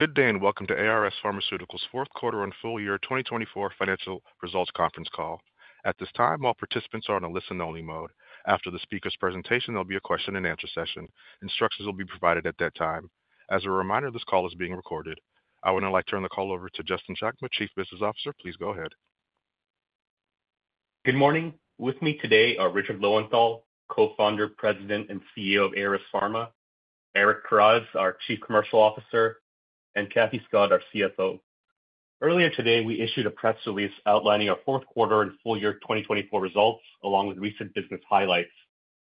Good day and welcome to ARS Pharmaceuticals' fourth quarter and full year 2024 financial results conference call. At this time, all participants are on a listen-only mode. After the speaker's presentation, there'll be a question-and-answer session. Instructions will be provided at that time. As a reminder, this call is being recorded. I would now like to turn the call over to Justin Chakma, Chief Business Officer. Please go ahead. Good morning. With me today are Richard Lowenthal, Co-founder, President, and CEO of ARS Pharmaceuticals; Eric Karas, our Chief Commercial Officer; and Kathleen Scott, our CFO. Earlier today, we issued a press release outlining our fourth quarter and full year 2024 results, along with recent business highlights.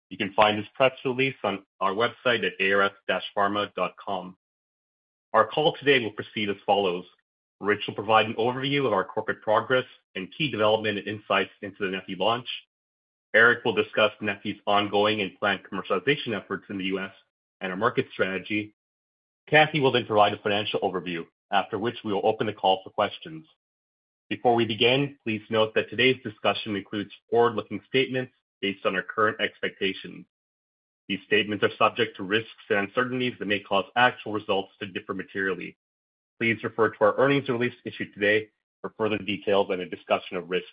You can find this press release on our website at ars-pharma.com. Our call today will proceed as follows. Rich will provide an overview of our corporate progress and key development and insights into the Neffy launch. Eric will discuss Neffy's ongoing and planned commercialization efforts in the U.S. and our market strategy. Kathleen will then provide a financial overview, after which we will open the call for questions. Before we begin, please note that today's discussion includes forward-looking statements based on our current expectations. These statements are subject to risks and uncertainties that may cause actual results to differ materially. Please refer to our earnings release issued today for further details and a discussion of risks.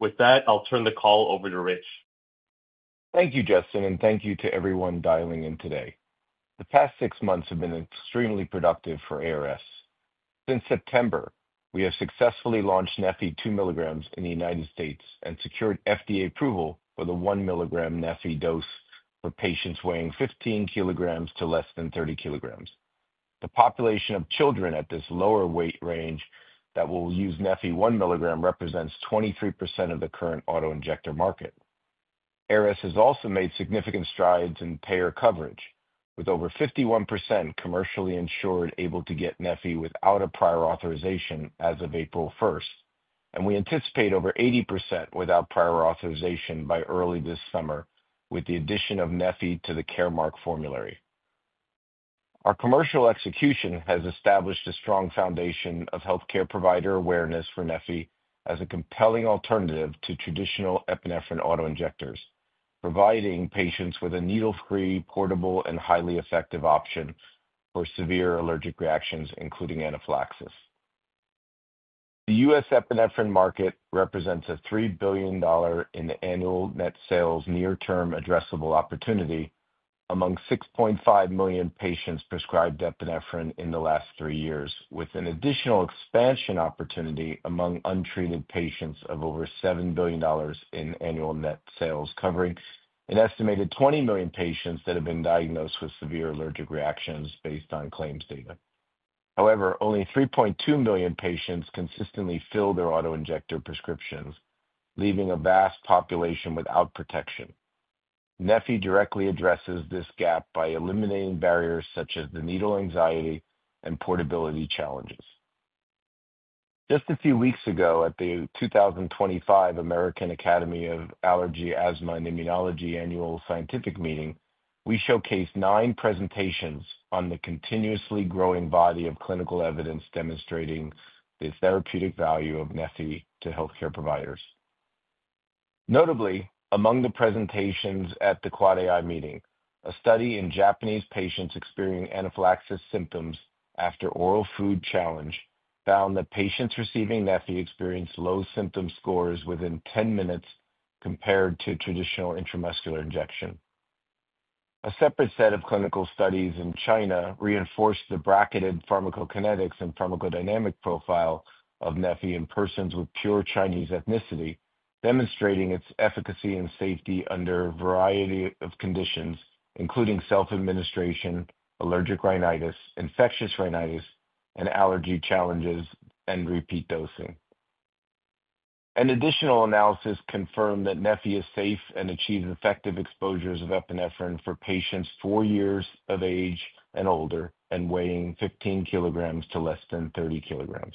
With that, I'll turn the call over to Rich. Thank you, Justin, and thank you to everyone dialing in today. The past six months have been extremely productive for ARS. Since September, we have successfully launched Neffy 2 milligrams in the United States and secured FDA approval for the 1 milligram Neffy dose for patients weighing 15 kilograms to less than 30 kilograms. The population of children at this lower weight range that will use Neffy 1 milligram represents 23% of the current auto-injector market. ARS has also made significant strides in payer coverage, with over 51% commercially insured able to get Neffy without a prior authorization as of April 1, and we anticipate over 80% without prior authorization by early this summer, with the addition of Neffy to the Caremark formulary. Our commercial execution has established a strong foundation of healthcare provider awareness for Neffy as a compelling alternative to traditional epinephrine auto-injectors, providing patients with a needle-free, portable, and highly effective option for severe allergic reactions, including anaphylaxis. The U.S. epinephrine market represents a $3 billion in annual net sales near-term addressable opportunity among 6.5 million patients prescribed epinephrine in the last three years, with an additional expansion opportunity among untreated patients of over $7 billion in annual net sales, covering an estimated 20 million patients that have been diagnosed with severe allergic reactions based on claims data. However, only 3.2 million patients consistently fill their auto-injector prescriptions, leaving a vast population without protection. Neffy directly addresses this gap by eliminating barriers such as the needle anxiety and portability challenges. Just a few weeks ago, at the 2025 American Academy of Allergy, Asthma, and Immunology Annual Scientific Meeting, we showcased nine presentations on the continuously growing body of clinical evidence demonstrating the therapeutic value of Neffy to healthcare providers. Notably, among the presentations at the AAAAI meeting, a study in Japanese patients experiencing anaphylaxis symptoms after oral food challenge found that patients receiving Neffy experienced low symptom scores within 10 minutes compared to traditional intramuscular injection. A separate set of clinical studies in China reinforced the bracketed pharmacokinetics and pharmacodynamic profile of Neffy in persons with pure Chinese ethnicity, demonstrating its efficacy and safety under a variety of conditions, including self-administration, allergic rhinitis, infectious rhinitis, and allergy challenges and repeat dosing. An additional analysis confirmed that Neffy is safe and achieves effective exposures of epinephrine for patients four years of age and older and weighing 15 kilograms to less than 30 kilograms.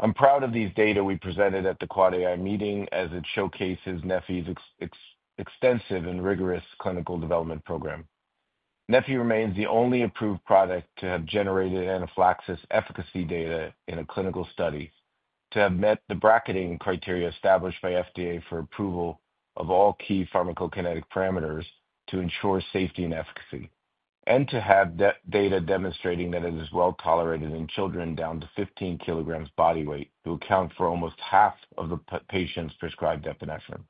I'm proud of these data we presented at the AAAAI meeting, as it showcases Neffy's extensive and rigorous clinical development program. Neffy remains the only approved product to have generated anaphylaxis efficacy data in a clinical study, to have met the bracketing criteria established by FDA for approval of all key pharmacokinetic parameters to ensure safety and efficacy, and to have data demonstrating that it is well tolerated in children down to 15 kilograms body weight, who account for almost half of the patients prescribed epinephrine.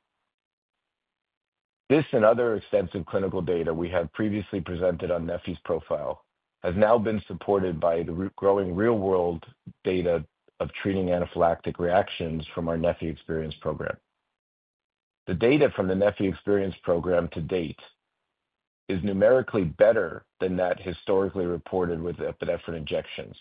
This and other extensive clinical data we have previously presented on Neffy's profile has now been supported by the growing real-world data of treating anaphylactic reactions from our Neffy Experience Program. The data from the Neffy Experience Program to date is numerically better than that historically reported with epinephrine injections.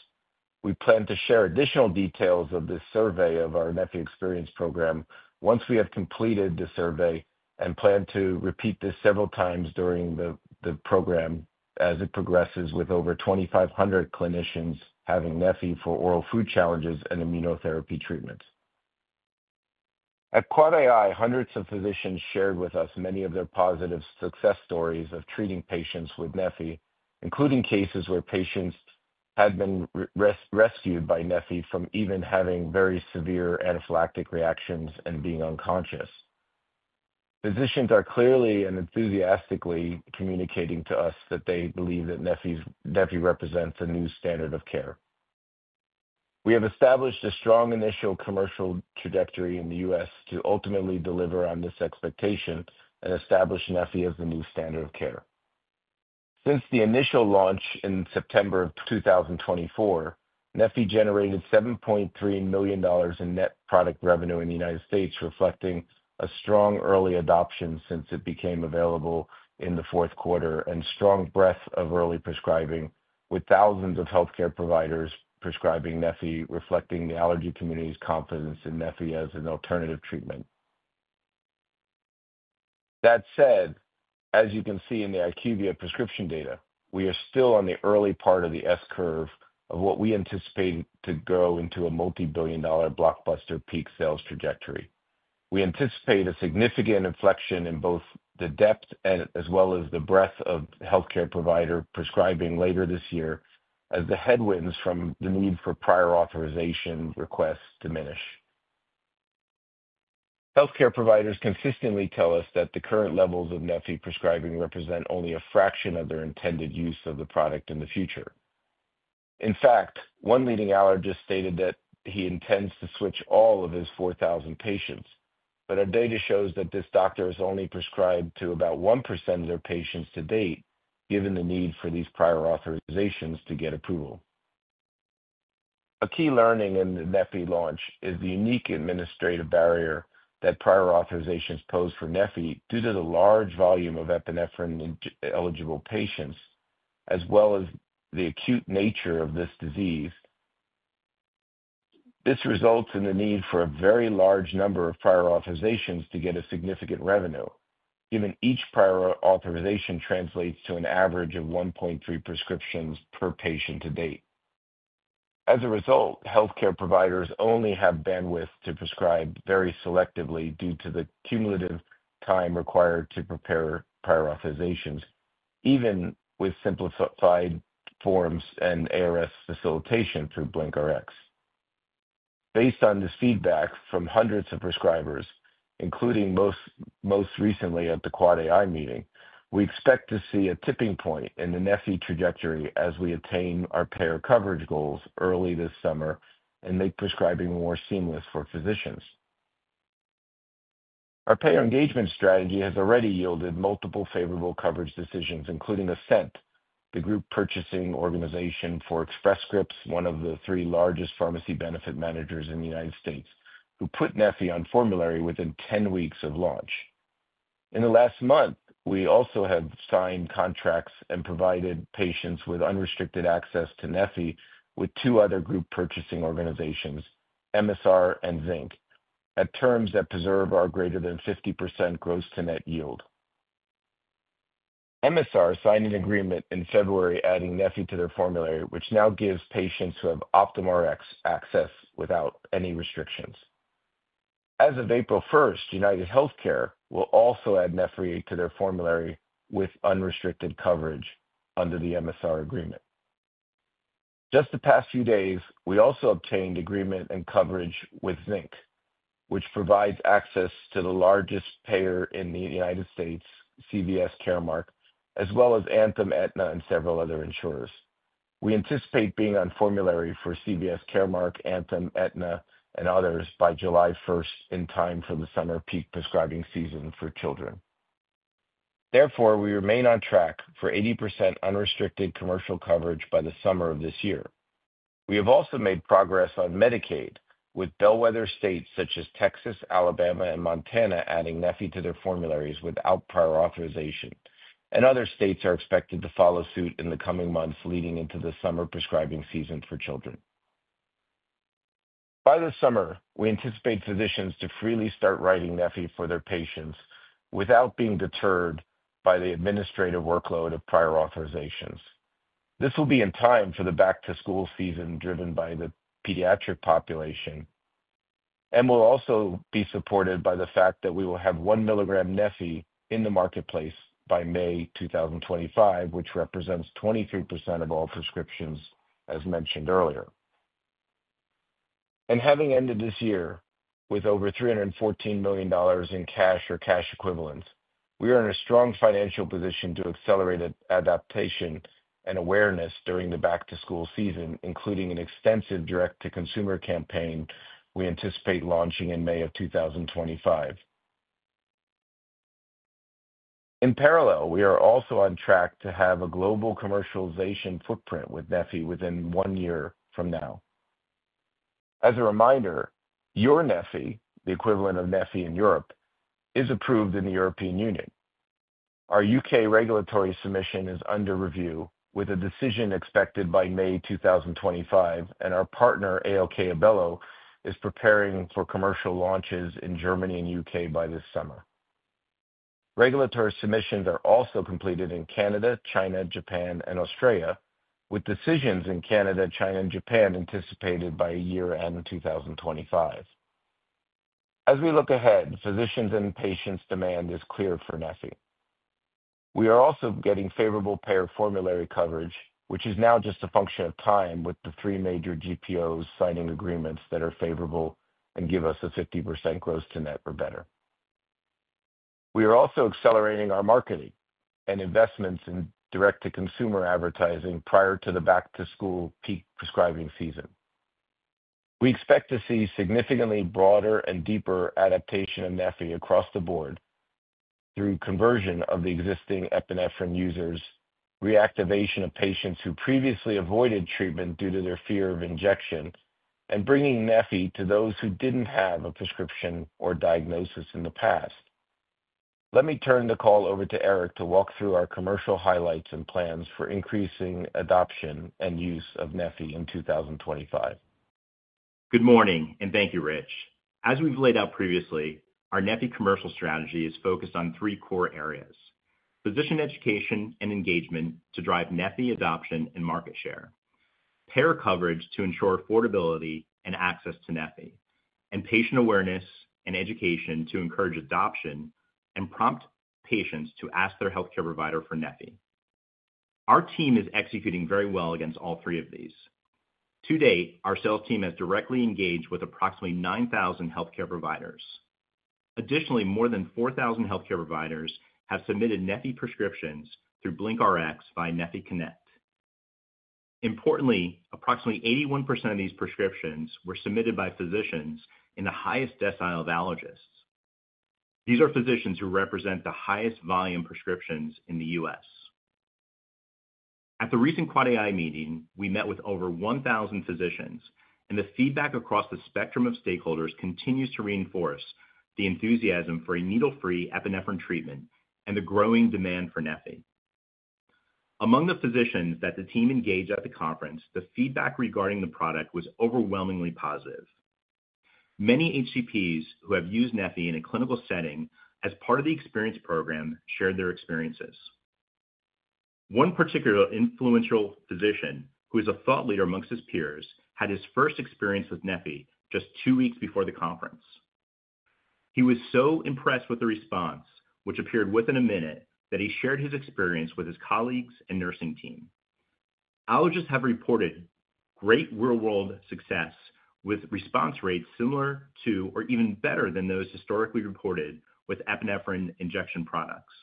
We plan to share additional details of this survey of our Neffy Experience Program once we have completed the survey and plan to repeat this several times during the program as it progresses, with over 2,500 clinicians having Neffy for oral food challenges and immunotherapy treatments. At AAAAI, hundreds of physicians shared with us many of their positive success stories of treating patients with Neffy, including cases where patients had been rescued by Neffy from even having very severe anaphylactic reactions and being unconscious. Physicians are clearly and enthusiastically communicating to us that they believe that Neffy represents a new standard of care. We have established a strong initial commercial trajectory in the U.S. to ultimately deliver on this expectation and establish Neffy as the new standard of care. Since the initial launch in September of 2024, Neffy generated $7.3 million in net product revenue in the United States, reflecting a strong early adoption since it became available in the fourth quarter and strong breadth of early prescribing, with thousands of healthcare providers prescribing Neffy, reflecting the allergy community's confidence in Neffy as an alternative treatment. That said, as you can see in the IQVIA prescription data, we are still on the early part of the S curve of what we anticipate to go into a multi-billion dollar blockbuster peak sales trajectory. We anticipate a significant inflection in both the depth and as well as the breadth of healthcare provider prescribing later this year, as the headwinds from the need for prior authorization requests diminish. Healthcare providers consistently tell us that the current levels of Neffy prescribing represent only a fraction of their intended use of the product in the future. In fact, one leading allergist stated that he intends to switch all of his 4,000 patients, but our data shows that this doctor has only prescribed to about 1% of their patients to date, given the need for these prior authorizations to get approval. A key learning in the Neffy launch is the unique administrative barrier that prior authorizations pose for Neffy due to the large volume of epinephrine-eligible patients, as well as the acute nature of this disease. This results in the need for a very large number of prior authorizations to get a significant revenue, given each prior authorization translates to an average of 1.3 prescriptions per patient to date. As a result, healthcare providers only have bandwidth to prescribe very selectively due to the cumulative time required to prepare prior authorizations, even with simplified forms and ARS facilitation through BlinkRx. Based on this feedback from hundreds of prescribers, including most recently at the AAAAI meeting, we expect to see a tipping point in the Neffy trajectory as we attain our payer coverage goals early this summer and make prescribing more seamless for physicians. Our payer engagement strategy has already yielded multiple favorable coverage decisions, including Ascent, the group purchasing organization for Express Scripts, one of the three largest pharmacy benefit managers in the United States, who put Neffy on formulary within 10 weeks of launch. In the last month, we also have signed contracts and provided patients with unrestricted access to Neffy with two other group purchasing organizations, Emisar and Zinc, at terms that preserve our greater than 50% gross-to-net yield. Emisar signed an agreement in February adding Neffy to their formulary, which now gives patients who have OptumRx access without any restrictions. As of April 1, UnitedHealthcare will also add Neffy to their formulary with unrestricted coverage under the Emisar agreement. Just the past few days, we also obtained agreement and coverage with Zinc, which provides access to the largest payer in the United States, CVS Caremark, as well as Anthem, Aetna, and several other insurers. We anticipate being on formulary for CVS Caremark, Anthem, Aetna, and others by July 1 in time for the summer peak prescribing season for children. Therefore, we remain on track for 80% unrestricted commercial coverage by the summer of this year. We have also made progress on Medicaid, with bellwether states such as Texas, Alabama, and Montana adding Neffy to their formularies without prior authorization. Other states are expected to follow suit in the coming months leading into the summer prescribing season for children. By this summer, we anticipate physicians to freely start writing Neffy for their patients without being deterred by the administrative workload of prior authorizations. This will be in time for the back-to-school season driven by the pediatric population and will also be supported by the fact that we will have 1 milligram Neffy in the marketplace by May 2025, which represents 23% of all prescriptions, as mentioned earlier. Having ended this year with over $314 million in cash or cash equivalent, we are in a strong financial position to accelerate adaptation and awareness during the back-to-school season, including an extensive direct-to-consumer campaign we anticipate launching in May of 2025. In parallel, we are also on track to have a global commercialization footprint with Neffy within one year from now. As a reminder, EURneffy, the equivalent of Neffy in Europe, is approved in the European Union. Our U.K. regulatory submission is under review, with a decision expected by May 2025, and our partner, ALK-Abelló, is preparing for commercial launches in Germany and U.K. by this summer. Regulatory submissions are also completed in Canada, China, Japan, and Australia, with decisions in Canada, China, and Japan anticipated by year-end 2025. As we look ahead, physicians' and patients' demand is clear for Neffy. We are also getting favorable payer formulary coverage, which is now just a function of time with the three major GPOs signing agreements that are favorable and give us a 50% gross-to-net or better. We are also accelerating our marketing and investments in direct-to-consumer advertising prior to the back-to-school peak prescribing season. We expect to see significantly broader and deeper adaptation of Neffy across the board through conversion of the existing epinephrine users, reactivation of patients who previously avoided treatment due to their fear of injection, and bringing Neffy to those who did not have a prescription or diagnosis in the past. Let me turn the call over to Eric to walk through our commercial highlights and plans for increasing adoption and use of Neffy in 2025. Good morning, and thank you, Rich. As we've laid out previously, our Neffy commercial strategy is focused on three core areas: physician education and engagement to drive Neffy adoption and market share, payer coverage to ensure affordability and access to Neffy, and patient awareness and education to encourage adoption and prompt patients to ask their healthcare provider for Neffy. Our team is executing very well against all three of these. To date, our sales team has directly engaged with approximately 9,000 healthcare providers. Additionally, more than 4,000 healthcare providers have submitted Neffy prescriptions through BlinkRx by Neffy Connect. Importantly, approximately 81% of these prescriptions were submitted by physicians in the highest decile of allergists. These are physicians who represent the highest volume prescriptions in the U.S. At the recent AAAAI meeting, we met with over 1,000 physicians, and the feedback across the spectrum of stakeholders continues to reinforce the enthusiasm for a needle-free epinephrine treatment and the growing demand for Neffy. Among the physicians that the team engaged at the conference, the feedback regarding the product was overwhelmingly positive. Many HCPs who have used Neffy in a clinical setting as part of the Experience Program shared their experiences. One particularly influential physician, who is a thought leader amongst his peers, had his first experience with Neffy just two weeks before the conference. He was so impressed with the response, which appeared within a minute, that he shared his experience with his colleagues and nursing team. Allergists have reported great real-world success with response rates similar to or even better than those historically reported with epinephrine injection products.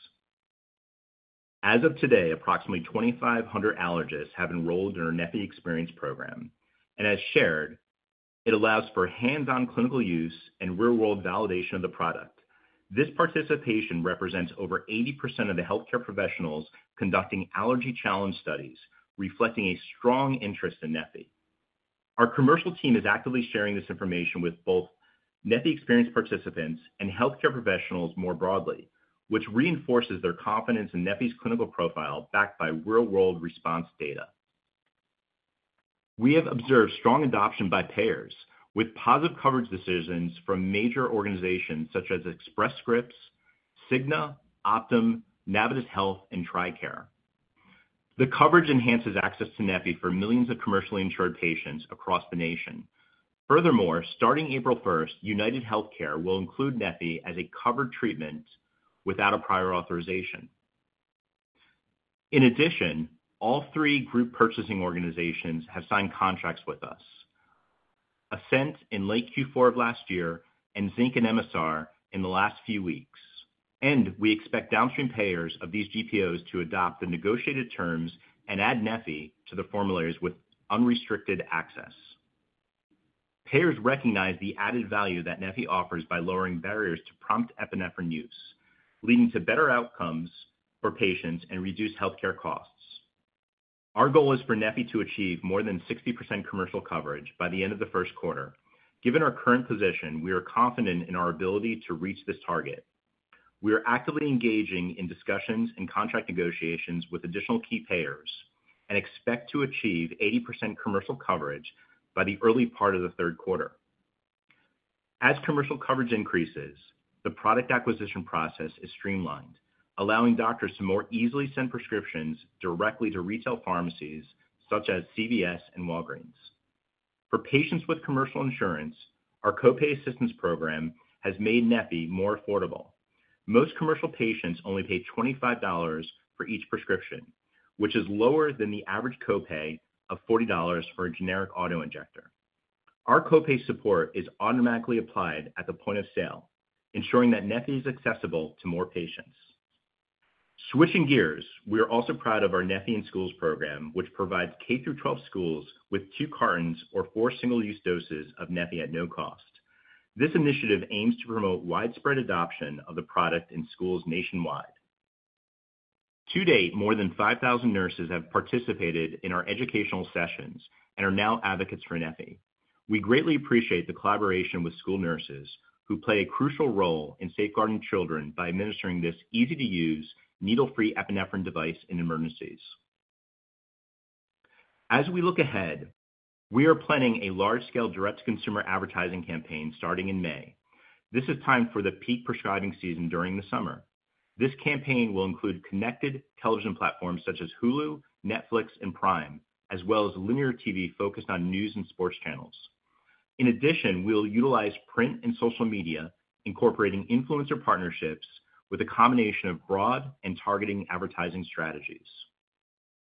As of today, approximately 2,500 allergists have enrolled in our Neffy Experience Program. It allows for hands-on clinical use and real-world validation of the product. This participation represents over 80% of the healthcare professionals conducting allergy challenge studies, reflecting a strong interest in Neffy. Our commercial team is actively sharing this information with both Neffy Experience participants and healthcare professionals more broadly, which reinforces their confidence in Neffy's clinical profile backed by real-world response data. We have observed strong adoption by payers, with positive coverage decisions from major organizations such as Express Scripts, Cigna, OptumRx, Navitus Health, and TRICARE. The coverage enhances access to Neffy for millions of commercially insured patients across the nation. Furthermore, starting April 1, UnitedHealthcare will include Neffy as a covered treatment without a prior authorization. In addition, all three group purchasing organizations have signed contracts with us: Ascent in late Q4 of last year and Zinc and Emisar in the last few weeks. We expect downstream payers of these GPOs to adopt the negotiated terms and add Neffy to the formularies with unrestricted access. Payers recognize the added value that Neffy offers by lowering barriers to prompt epinephrine use, leading to better outcomes for patients and reduced healthcare costs. Our goal is for Neffy to achieve more than 60% commercial coverage by the end of the first quarter. Given our current position, we are confident in our ability to reach this target. We are actively engaging in discussions and contract negotiations with additional key payers and expect to achieve 80% commercial coverage by the early part of the third quarter. As commercial coverage increases, the product acquisition process is streamlined, allowing doctors to more easily send prescriptions directly to retail pharmacies such as CVS and Walgreens. For patients with commercial insurance, our copay assistance program has made Neffy more affordable. Most commercial patients only pay $25 for each prescription, which is lower than the average copay of $40 for a generic auto-injector. Our copay support is automatically applied at the point of sale, ensuring that Neffy is accessible to more patients. Switching gears, we are also proud of our Neffy in Schools program, which provides K through 12 schools with two cartons or four single-use doses of Neffy at no cost. This initiative aims to promote widespread adoption of the product in schools nationwide. To date, more than 5,000 nurses have participated in our educational sessions and are now advocates for Neffy. We greatly appreciate the collaboration with school nurses, who play a crucial role in safeguarding children by administering this easy-to-use needle-free epinephrine device in emergencies. As we look ahead, we are planning a large-scale direct-to-consumer advertising campaign starting in May. This is time for the peak prescribing season during the summer. This campaign will include connected television platforms such as Hulu, Netflix, and Prime, as well as linear TV focused on news and sports channels. In addition, we will utilize print and social media, incorporating influencer partnerships with a combination of broad and targeting advertising strategies.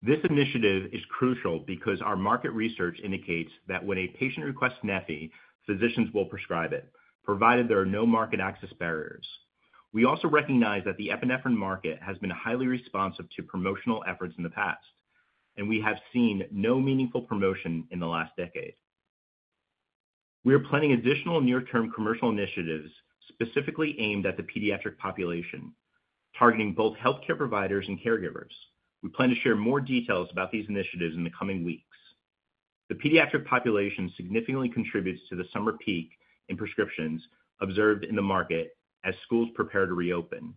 This initiative is crucial because our market research indicates that when a patient requests Neffy, physicians will prescribe it, provided there are no market access barriers. We also recognize that the epinephrine market has been highly responsive to promotional efforts in the past, and we have seen no meaningful promotion in the last decade. We are planning additional near-term commercial initiatives specifically aimed at the pediatric population, targeting both healthcare providers and caregivers. We plan to share more details about these initiatives in the coming weeks. The pediatric population significantly contributes to the summer peak in prescriptions observed in the market as schools prepare to reopen.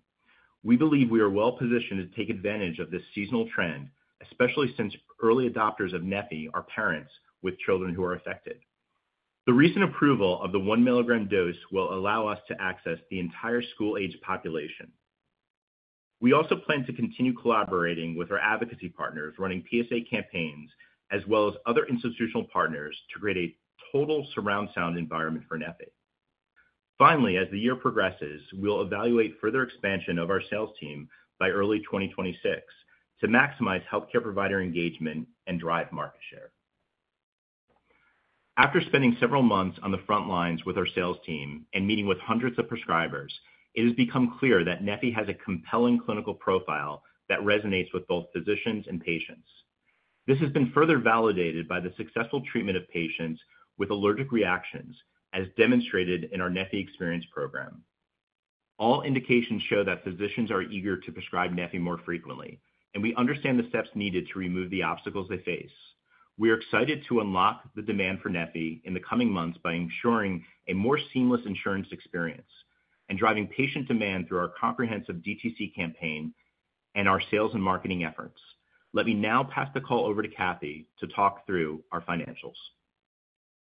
We believe we are well-positioned to take advantage of this seasonal trend, especially since early adopters of Neffy are parents with children who are affected. The recent approval of the 1 milligram dose will allow us to access the entire school-age population. We also plan to continue collaborating with our advocacy partners running PSA campaigns, as well as other institutional partners, to create a total surround sound environment for Neffy. Finally, as the year progresses, we'll evaluate further expansion of our sales team by early 2026 to maximize healthcare provider engagement and drive market share. After spending several months on the front lines with our sales team and meeting with hundreds of prescribers, it has become clear that Neffy has a compelling clinical profile that resonates with both physicians and patients. This has been further validated by the successful treatment of patients with allergic reactions, as demonstrated in our Neffy Experience Program. All indications show that physicians are eager to prescribe Neffy more frequently, and we understand the steps needed to remove the obstacles they face. We are excited to unlock the demand for Neffy in the coming months by ensuring a more seamless insurance experience and driving patient demand through our comprehensive DTC campaign and our sales and marketing efforts. Let me now pass the call over to Kathy to talk through our financials.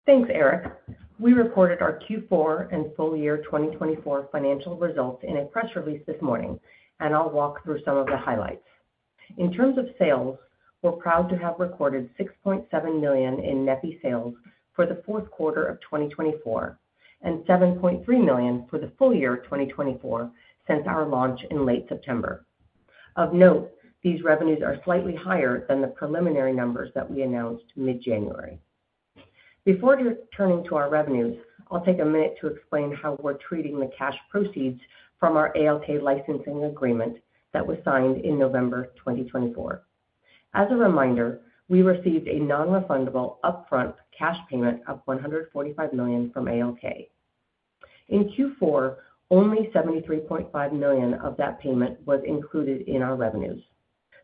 Thanks, Eric. We reported our Q4 and full year 2024 financial results in a press release this morning, and I'll walk through some of the highlights. In terms of sales, we're proud to have recorded $6.7 million in Neffy sales for the fourth quarter of 2024 and $7.3 million for the full year 2024 since our launch in late September. Of note, these revenues are slightly higher than the preliminary numbers that we announced mid-January. Before turning to our revenues, I'll take a minute to explain how we're treating the cash proceeds from our ALK licensing agreement that was signed in November 2024. As a reminder, we received a non-refundable upfront cash payment of $145 million from ALK. In Q4, only $73.5 million of that payment was included in our revenues.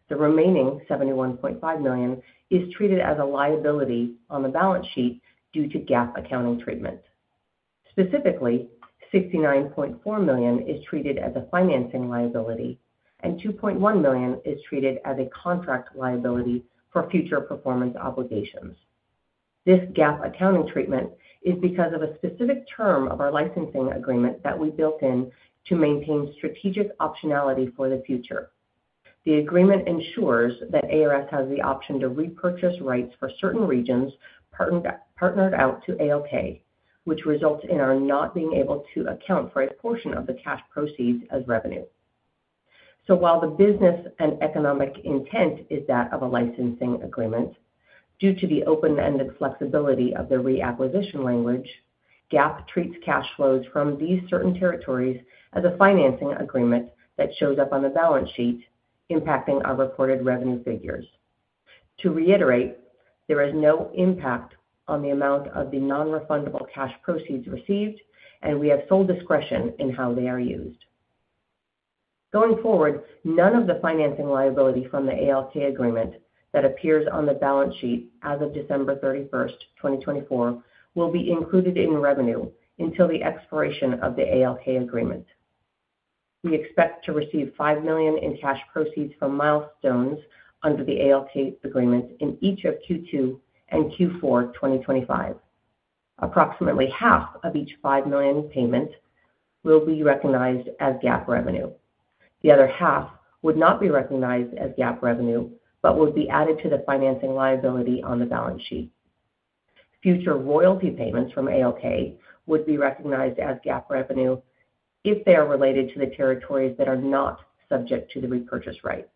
The remaining $71.5 million is treated as a liability on the balance sheet due to GAAP accounting treatment. Specifically, $69.4 million is treated as a financing liability, and $2.1 million is treated as a contract liability for future performance obligations. This GAAP accounting treatment is because of a specific term of our licensing agreement that we built in to maintain strategic optionality for the future. The agreement ensures that ARS has the option to repurchase rights for certain regions partnered out to ALK, which results in our not being able to account for a portion of the cash proceeds as revenue. While the business and economic intent is that of a licensing agreement, due to the open-ended flexibility of the reacquisition language, GAAP treats cash flows from these certain territories as a financing agreement that shows up on the balance sheet, impacting our reported revenue figures. To reiterate, there is no impact on the amount of the non-refundable cash proceeds received, and we have sole discretion in how they are used. Going forward, none of the financing liability from the ALK agreement that appears on the balance sheet as of December 31, 2024, will be included in revenue until the expiration of the ALK agreement. We expect to receive $5 million in cash proceeds from milestones under the ALK agreement in each of Q2 and Q4 2025. Approximately half of each $5 million payment will be recognized as GAAP revenue. The other half would not be recognized as GAAP revenue, but would be added to the financing liability on the balance sheet. Future royalty payments from ALK would be recognized as GAAP revenue if they are related to the territories that are not subject to the repurchase right.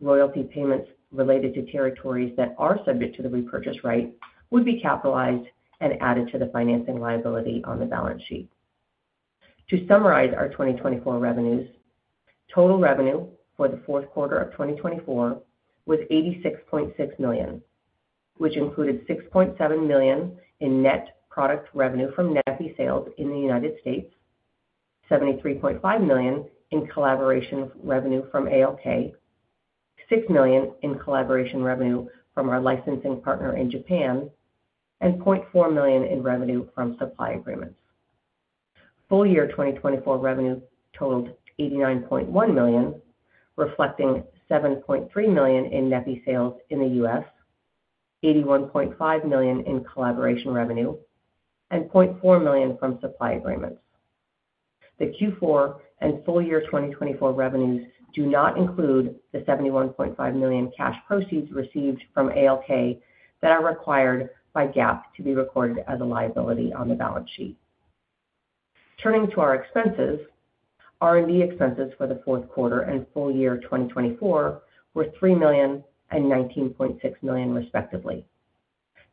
Royalty payments related to territories that are subject to the repurchase right would be capitalized and added to the financing liability on the balance sheet. To summarize our 2024 revenues, total revenue for the fourth quarter of 2024 was $86.6 million, which included $6.7 million in net product revenue from Neffy sales in the U.S., $73.5 million in collaboration revenue from ALK, $6 million in collaboration revenue from our licensing partner in Japan, and $0.4 million in revenue from supply agreements. Full year 2024 revenue totaled $89.1 million, reflecting $7.3 million in Neffy sales in the U.S., $81.5 million in collaboration revenue, and $0.4 million from supply agreements. The Q4 and full year 2024 revenues do not include the $71.5 million cash proceeds received from ALK that are required by GAAP to be recorded as a liability on the balance sheet. Turning to our expenses, R&D expenses for the fourth quarter and full year 2024 were $3 million and $19.6 million, respectively.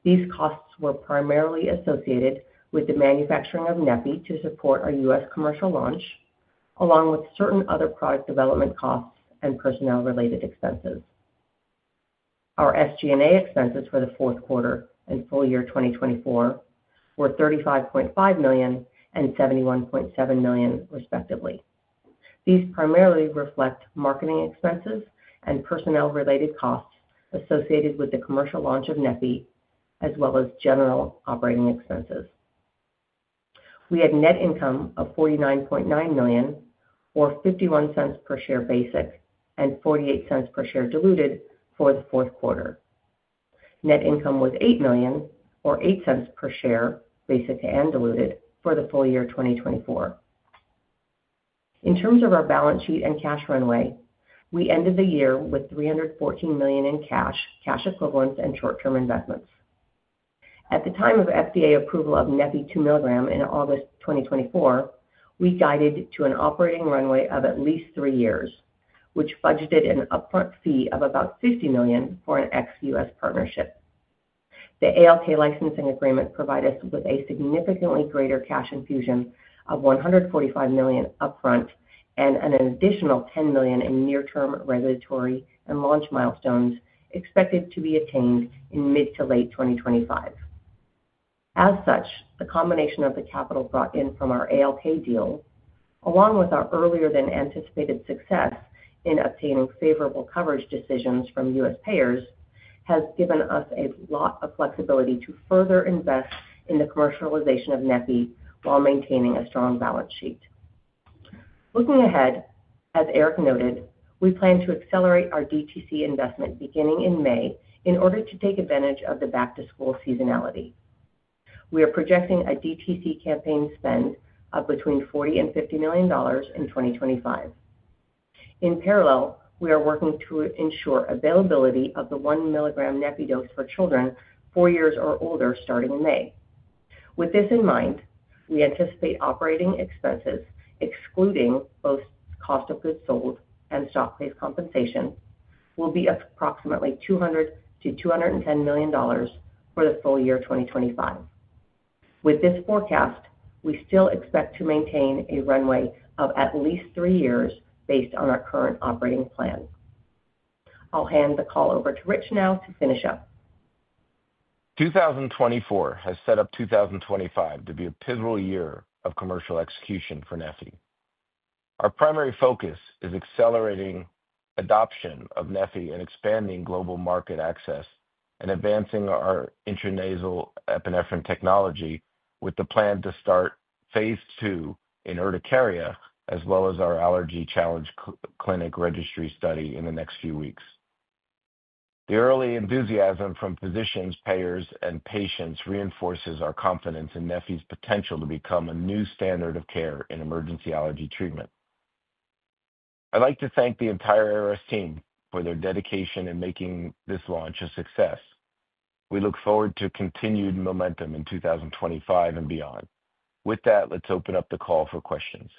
These costs were primarily associated with the manufacturing of Neffy to support our U.S. commercial launch, along with certain other product development costs and personnel-related expenses. Our SG&A expenses for the fourth quarter and full year 2024 were $35.5 million and $71.7 million, respectively. These primarily reflect marketing expenses and personnel-related costs associated with the commercial launch of Neffy, as well as general operating expenses. We had net income of $49.9 million, or $0.51 per share basic, and $0.48 per share diluted for the fourth quarter. Net income was $8 million, or $0.08 per share basic and diluted for the full year 2024. In terms of our balance sheet and cash runway, we ended the year with $314 million in cash, cash equivalents, and short-term investments. At the time of FDA approval of Neffy 2 milligram in August 2024, we guided to an operating runway of at least three years, which budgeted an upfront fee of about $50 million for an ex-U.S. partnership. The ALK licensing agreement provided us with a significantly greater cash infusion of $145 million upfront and an additional $10 million in near-term regulatory and launch milestones expected to be attained in mid to late 2025. As such, the combination of the capital brought in from our ALK deal, along with our earlier-than-anticipated success in obtaining favorable coverage decisions from U.S. payers, has given us a lot of flexibility to further invest in the commercialization of Neffy while maintaining a strong balance sheet. Looking ahead, as Eric noted, we plan to accelerate our DTC investment beginning in May in order to take advantage of the back-to-school seasonality. We are projecting a DTC campaign spend of between $40 million and $50 million in 2025. In parallel, we are working to ensure availability of the 1 milligram Neffy dose for children four years or older starting in May. With this in mind, we anticipate operating expenses, excluding both cost of goods sold and stock-based compensation, will be approximately $200 million-$210 million for the full year 2025. With this forecast, we still expect to maintain a runway of at least three years based on our current operating plan. I'll hand the call over to Rich now to finish up. 2024 has set up 2025 to be a pivotal year of commercial execution for Neffy. Our primary focus is accelerating adoption of Neffy and expanding global market access and advancing our intranasal epinephrine technology, with the plan to start Phase 2 in urticaria, as well as our allergy challenge clinic registry study in the next few weeks. The early enthusiasm from physicians, payers, and patients reinforces our confidence in Neffy's potential to become a new standard of care in emergency allergy treatment. I'd like to thank the entire ARS team for their dedication in making this launch a success. We look forward to continued momentum in 2025 and beyond. With that, let's open up the call for questions.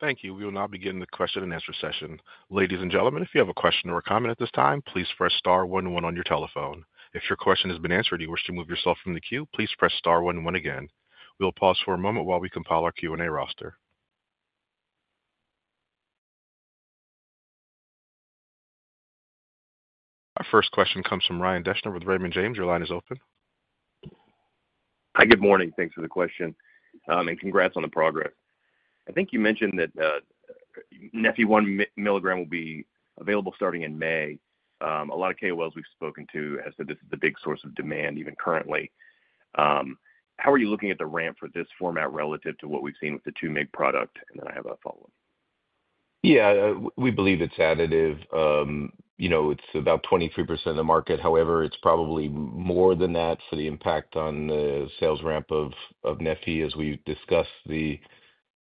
Thank you. We will now begin the question and answer session. Ladies and gentlemen, if you have a question or a comment at this time, please press star 11 on your telephone. If your question has been answered and you wish to move yourself from the queue, please press star 11 again. We'll pause for a moment while we compile our Q&A roster. Our first question comes from Ryan Deschner with Raymond James. Your line is open. Hi, good morning. Thanks for the question, and congrats on the progress. I think you mentioned that Neffy 1 milligram will be available starting in May. A lot of KOLs we've spoken to have said this is the big source of demand even currently. How are you looking at the ramp for this format relative to what we've seen with the 2 mg product? I have a follow-up. Yeah, we believe it's additive. It's about 23% of the market. However, it's probably more than that for the impact on the sales ramp of Neffy. As we discussed,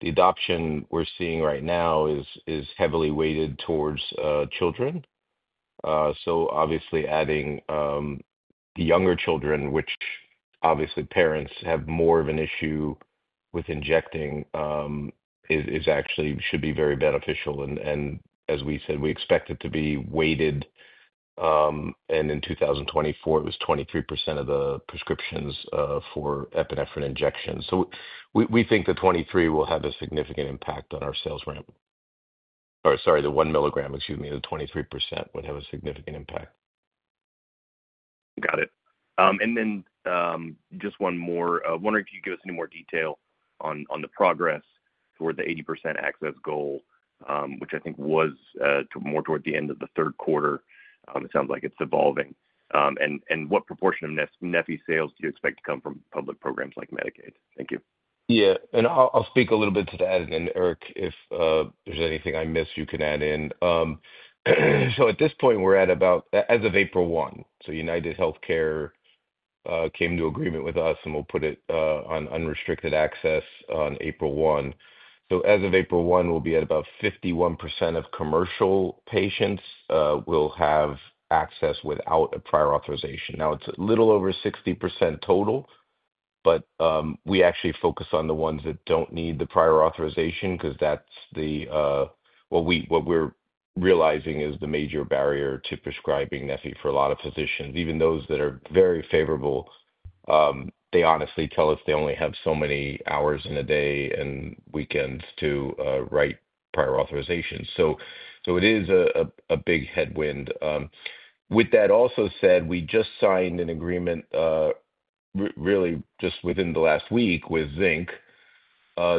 the adoption we're seeing right now is heavily weighted towards children. Obviously, adding younger children, which obviously parents have more of an issue with injecting, actually should be very beNeffycial. As we said, we expect it to be weighted. In 2024, it was 23% of the prescriptions for epinephrine injections. We think the 23 will have a significant impact on our sales ramp. Sorry, the 1 milligram, excuse me, the 23% would have a significant impact. Got it. Just one more, wondering if you could give us any more detail on the progress toward the 80% access goal, which I think was more toward the end of the third quarter. It sounds like it's evolving. What proportion of Neffy sales do you expect to come from public programs like Medicaid? Thank you. Yeah, I'll speak a little bit to that. Eric, if there's anything I missed, you can add in. At this point, we're at about, as of April 1, UnitedHealthcare came to agreement with us, and we'll put it on unrestricted access on April 1. As of April 1, we'll be at about 51% of commercial patients will have access without a prior authorization. Now, it's a little over 60% total, but we actually focus on the ones that don't need the prior authorization because that's the, what we're realizing is the major barrier to prescribing Neffy for a lot of physicians. Even those that are very favorable, they honestly tell us they only have so many hours in a day and weekends to write prior authorization. It is a big headwind. With that also said, we just signed an agreement really just within the last week with Zinc.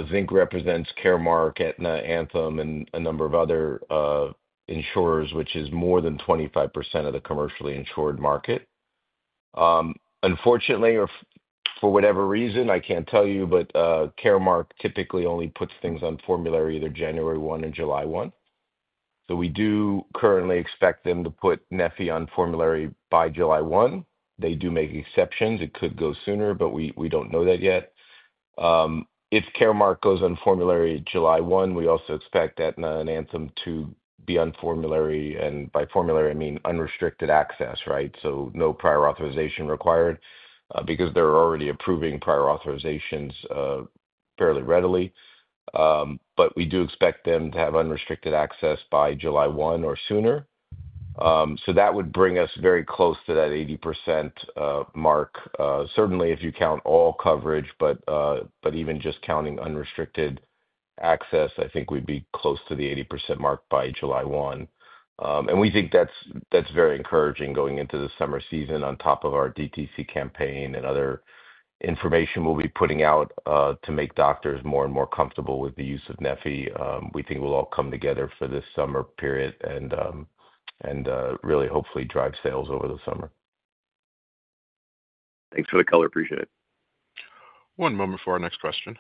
Zinc represents Caremark, Aetna, Anthem, and a number of other insurers, which is more than 25% of the commercially insured market. Unfortunately, or for whatever reason, I can't tell you, but Caremark typically only puts things on formulary either January 1 or July 1. We do currently expect them to put Neffy on formulary by July 1. They do make exceptions. It could go sooner, but we don't know that yet. If Caremark goes on formulary July 1, we also expect Aetna and Anthem to be on formulary. By formulary, I mean unrestricted access, right? No prior authorization required because they're already approving prior authorizations fairly readily. We do expect them to have unrestricted access by July 1 or sooner. That would bring us very close to that 80% mark. Certainly, if you count all coverage, but even just counting unrestricted access, I think we'd be close to the 80% mark by July 1. We think that's very encouraging going into the summer season on top of our DTC campaign and other information we'll be putting out to make doctors more and more comfortable with the use of Neffy. We think we'll all come together for this summer period and really hopefully drive sales over the summer. Thanks for the color. Appreciate it. One moment for our next question.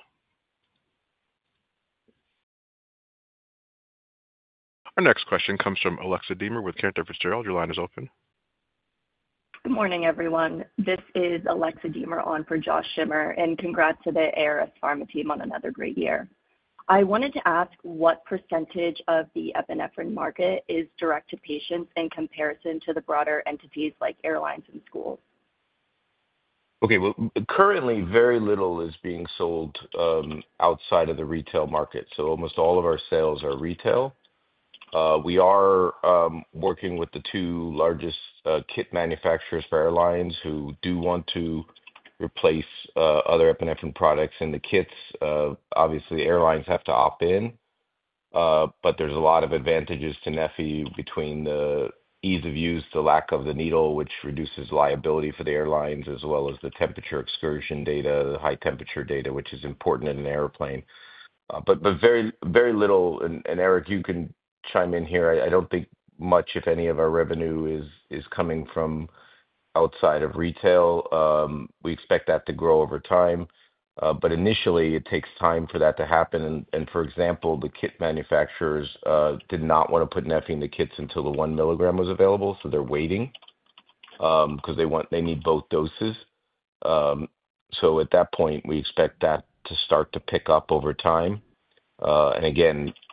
Our next question comes from Alexa Diemer with Cantor Fitzgerald. Your line is open. Good morning, everyone. This is Alexa Diemer on for Josh Schimmer, and congrats to the ARS Pharmaceuticals team on another great year. I wanted to ask what percentage of the epinephrine market is direct-to-patients in comparison to the broader entities like airlines and schools? Okay. Currently, very little is being sold outside of the retail market. Almost all of our sales are retail. We are working with the two largest kit manufacturers for airlines who do want to replace other epinephrine products in the kits. Obviously, airlines have to opt in, but there are a lot of advantages to Neffy between the ease of use, the lack of the needle, which reduces liability for the airlines, as well as the temperature excursion data, the high temperature data, which is important in an airplane. Very little, and Eric, you can chime in here. I do not think much, if any, of our revenue is coming from outside of retail. We expect that to grow over time. Initially, it takes time for that to happen. For example, the kit manufacturers did not want to put Neffy in the kits until the 1 milligram was available. They are waiting because they need both doses. At that point, we expect that to start to pick up over time.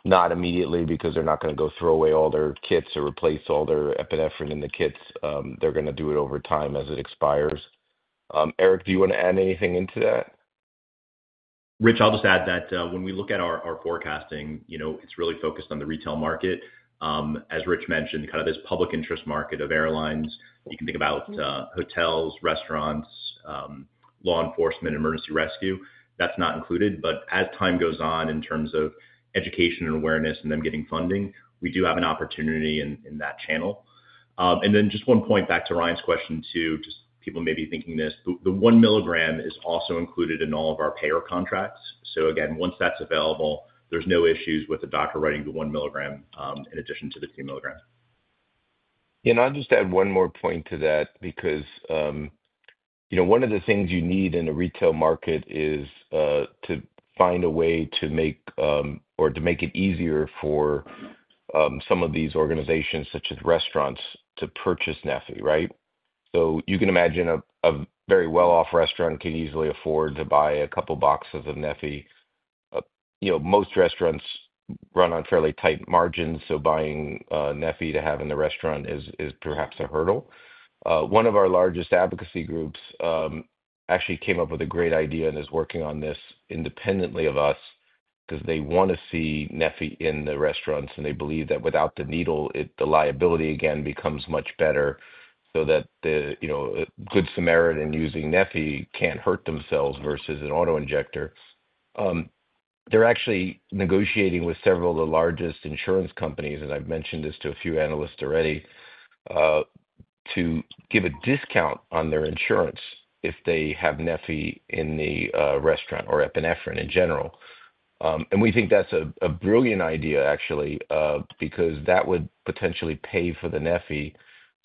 Not immediately, because they are not going to go throw away all their kits or replace all their epinephrine in the kits. They are going to do it over time as it expires. Eric, do you want to add anything into that? Rich, I'll just add that when we look at our forecasting, it is really focused on the retail market. As Rich mentioned, kind of this public interest market of airlines. You can think about hotels, restaurants, law enforcement, emergency rescue. That is not included. As time goes on in terms of education and awareness and them getting funding, we do have an opportunity in that channel. Just one point back to Ryan's question too, just people may be thinking this. The 1 milligram is also included in all of our payer contracts. Once that's available, there's no issues with a doctor writing the 1 milligram in addition to the 2 milligram. I'll just add one more point to that because one of the things you need in a retail market is to find a way to make or to make it easier for some of these organizations, such as restaurants, to purchase Neffy, right? You can imagine a very well-off restaurant can easily afford to buy a couple of boxes of Neffy. Most restaurants run on fairly tight margins, so buying Neffy to have in the restaurant is perhaps a hurdle. One of our largest advocacy groups actually came up with a great idea and is working on this independently of us because they want to see Neffy in the restaurants, and they believe that without the needle, the liability again becomes much better so that the good Samaritan using Neffy can't hurt themselves versus an auto-injector. They're actually negotiating with several of the largest insurance companies, and I've mentioned this to a few analysts already, to give a discount on their insurance if they have Neffy in the restaurant or epinephrine in general. We think that's a brilliant idea, actually, because that would potentially pay for the Neffy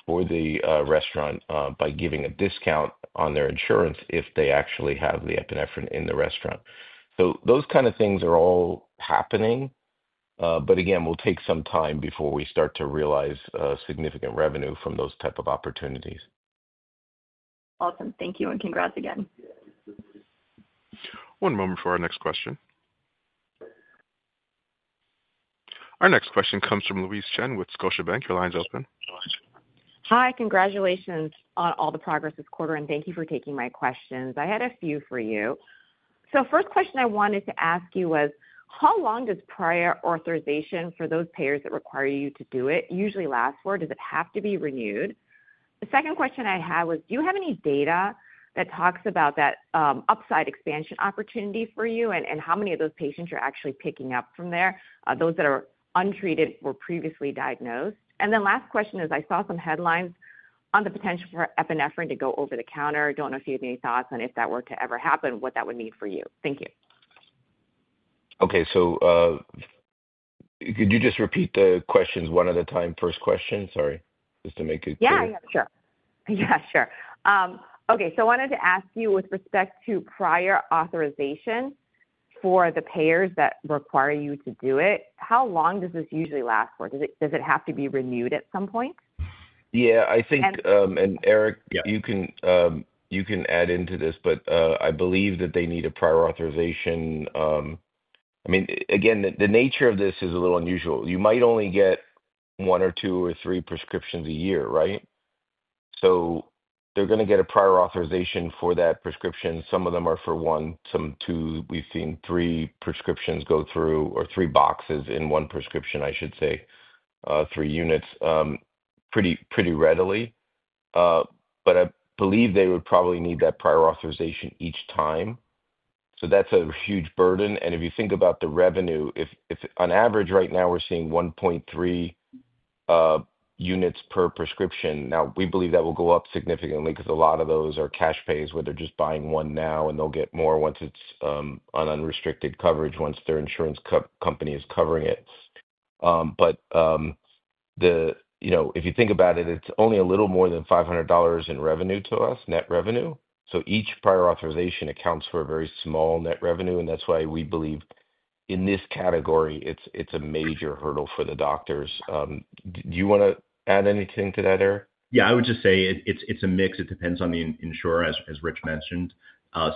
for the restaurant by giving a discount on their insurance if they actually have the epinephrine in the restaurant. Those kind of things are all happening. Again, we'll take some time before we start to realize significant revenue from those types of opportunities. Awesome. Thank you. Congrats again. One moment for our next question. Our next question comes from Louise Chen with Scotiabank. Your line is open. Hi, congratulations on all the progress this quarter, and thank you for taking my questions. I had a few for you. First question I wanted to ask you was, how long does prior authorization for those payers that require you to do it usually last for? Does it have to be renewed? The second question I had was, do you have any data that talks about that upside expansion opportunity for you and how many of those patients you're actually picking up from there, those that are untreated or previously diagnosed? Last question is, I saw some headlines on the potential for epinephrine to go over the counter. I do not know if you have any thoughts on if that were to ever happen, what that would mean for you. Thank you. Okay. Could you just repeat the questions one at a time? First question, sorry, just to make it clear. Yeah, yeah, sure. Yeah, sure. I wanted to ask you with respect to prior authorization for the payers that require you to do it, how long does this usually last for? Does it have to be renewed at some point? I think, and Eric, you can add into this, but I believe that they need a prior authorization. I mean, again, the nature of this is a little unusual. You might only get one or two or three prescriptions a year, right? They're going to get a prior authorization for that prescription. Some of them are for one, some two. We've seen three prescriptions go through or three boxes in one prescription, I should say, three units pretty readily. I believe they would probably need that prior authorization each time. That's a huge burden. If you think about the revenue, on average, right now, we're seeing 1.3 units per prescription. We believe that will go up significantly because a lot of those are cash pays, where they're just buying one now, and they'll get more once it's on unrestricted coverage, once their insurance company is covering it. If you think about it, it's only a little more than $500 in revenue to us, net revenue. Each prior authorization accounts for a very small net revenue. That is why we believe in this category, it's a major hurdle for the doctors. Do you want to add anything to that, Eric? Yeah, I would just say it's a mix. It depends on the insurer, as Rich mentioned.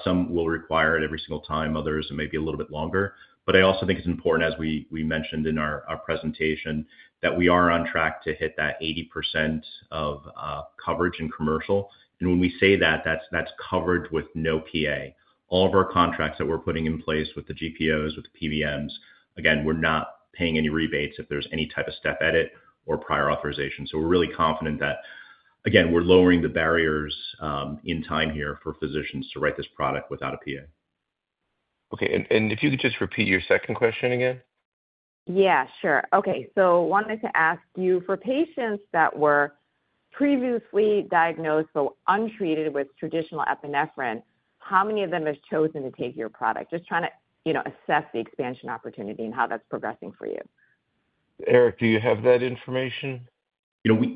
Some will require it every single time. Others may be a little bit longer. I also think it's important, as we mentioned in our presentation, that we are on track to hit that 80% of coverage in commercial. When we say that, that's coverage with no PA. All of our contracts that we're putting in place with the GPOs, with the PBMs, again, we're not paying any rebates if there's any type of step edit or prior authorization. We are really confident that, again, we're lowering the barriers in time here for physicians to write this product without a PA. Okay. If you could just repeat your second question again. Yeah, sure. Okay. Wanted to ask you, for patients that were previously diagnosed but untreated with traditional epinephrine, how many of them have chosen to take your product? Just trying to assess the expansion opportunity and how that's progressing for you. Eric, do you have that information?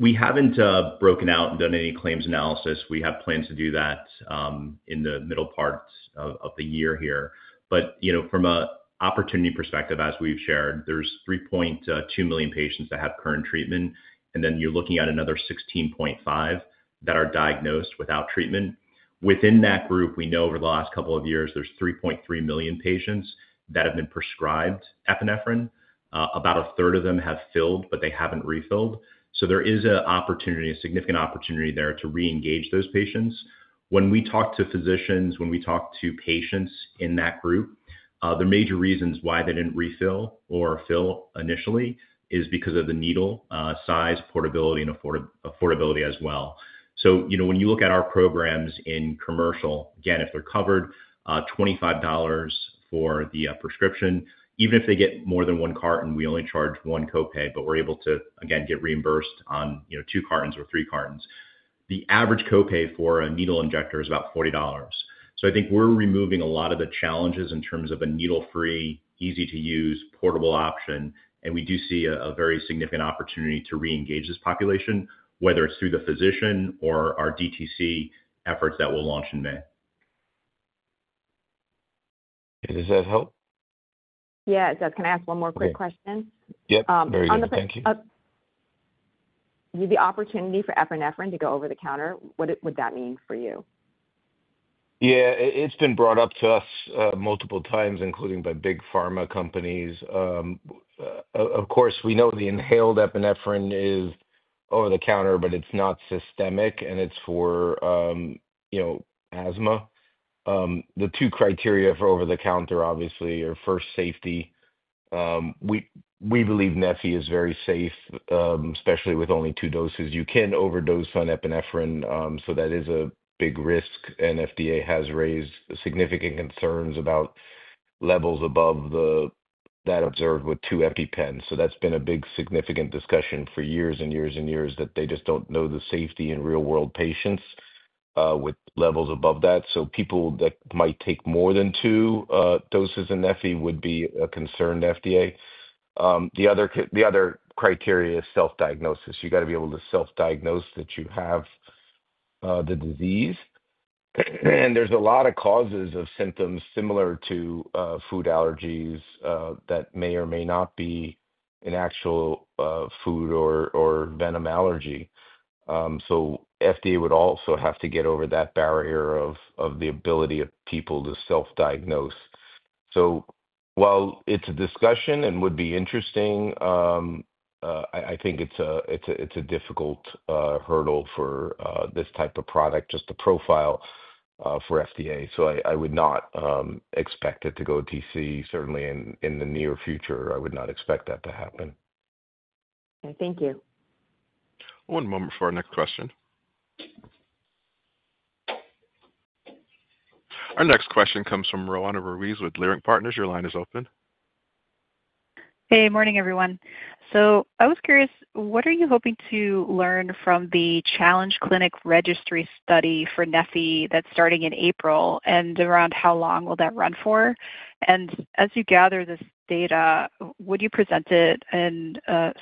We haven't broken out and done any claims analysis. We have plans to do that in the middle part of the year here. From an opportunity perspective, as we've shared, there's 3.2 million patients that have current treatment, and then you're looking at another 16.5 million that are diagnosed without treatment. Within that group, we know over the last couple of years, there's 3.3 million patients that have been prescribed epinephrine. About a third of them have filled, but they haven't refilled. There is a significant opportunity there to reengage those patients. When we talk to physicians, when we talk to patients in that group, the major reasons why they did not refill or fill initially is because of the needle size, portability, and affordability as well. When you look at our programs in commercial, again, if they are covered, $25 for the prescription. Even if they get more than one carton, we only charge one copay, but we are able to, again, get reimbursed on two cartons or three cartons. The average copay for a needle injector is about $40. I think we are removing a lot of the challenges in terms of a needle-free, easy-to-use, portable option. We do see a very significant opportunity to reengage this population, whether it is through the physician or our DTC efforts that we will launch in May. Does that help? Yeah. Can I ask one more quick question? Yep. Very good. Thank you. The opportunity for epinephrine to go over the counter, what would that mean for you? Yeah. It's been brought up to us multiple times, including by big pharma companies. Of course, we know the inhaled epinephrine is over the counter, but it's not systemic, and it's for asthma. The two criteria for over the counter, obviously, are first safety. We believe Neffy is very safe, especially with only two doses. You can overdose on epinephrine, so that is a big risk. FDA has raised significant concerns about levels above that observed with two EpiPens. That's been a big significant discussion for years and years and years that they just don't know the safety in real-world patients with levels above that. People that might take more than two doses of Neffy would be a concern to FDA. The other criteria is self-diagnosis. You got to be able to self-diagnose that you have the disease. There are a lot of causes of symptoms similar to food allergies that may or may not be an actual food or venom allergy. FDA would also have to get over that barrier of the ability of people to self-diagnose. While it is a discussion and would be interesting, I think it is a difficult hurdle for this type of product, just the profile for FDA. I would not expect it to go to DC. Certainly, in the near future, I would not expect that to happen. Thank you. One moment for our next question. Our next question comes from Roanna Ruiz with Leerink Partners. Your line is open. Hey, morning, everyone. I was curious, what are you hoping to learn from the challenge clinic registry study for Neffy that's starting in April and around how long will that run for? As you gather this data, would you present it in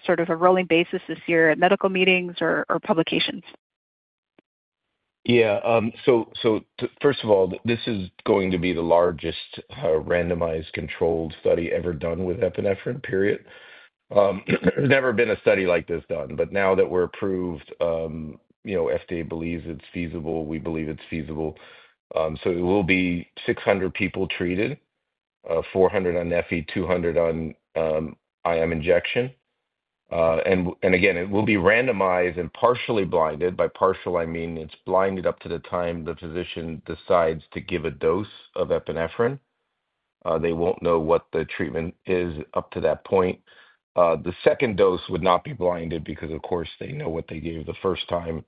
sort of a rolling basis this year at medical meetings or publications? Yeah. First of all, this is going to be the largest randomized controlled study ever done with epinephrine, period. There's never been a study like this done. Now that we're approved, FDA believes it's feasible. We believe it's feasible. It will be 600 people treated, 400 on Neffy, 200 on IM injection. Again, it will be randomized and partially blinded. By partial, I mean it's blinded up to the time the physician decides to give a dose of epinephrine. They won't know what the treatment is up to that point. The second dose would not be blinded because, of course, they know what they gave the first time.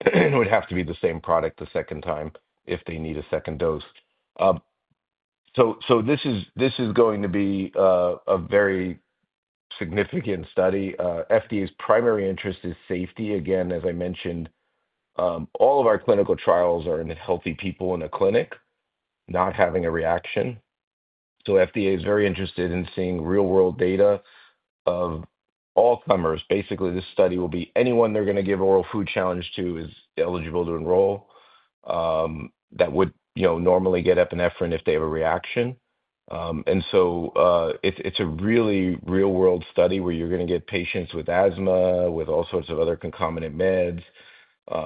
It would have to be the same product the second time if they need a second dose. This is going to be a very significant study. FDA's primary interest is safety. Again, as I mentioned, all of our clinical trials are in healthy people in a clinic, not having a reaction. FDA is very interested in seeing real-world data of all comers. Basically, this study will be anyone they're going to give oral food challenge to is eligible to enroll. That would normally get epinephrine if they have a reaction. It is a really real-world study where you're going to get patients with asthma, with all sorts of other concomitant meds.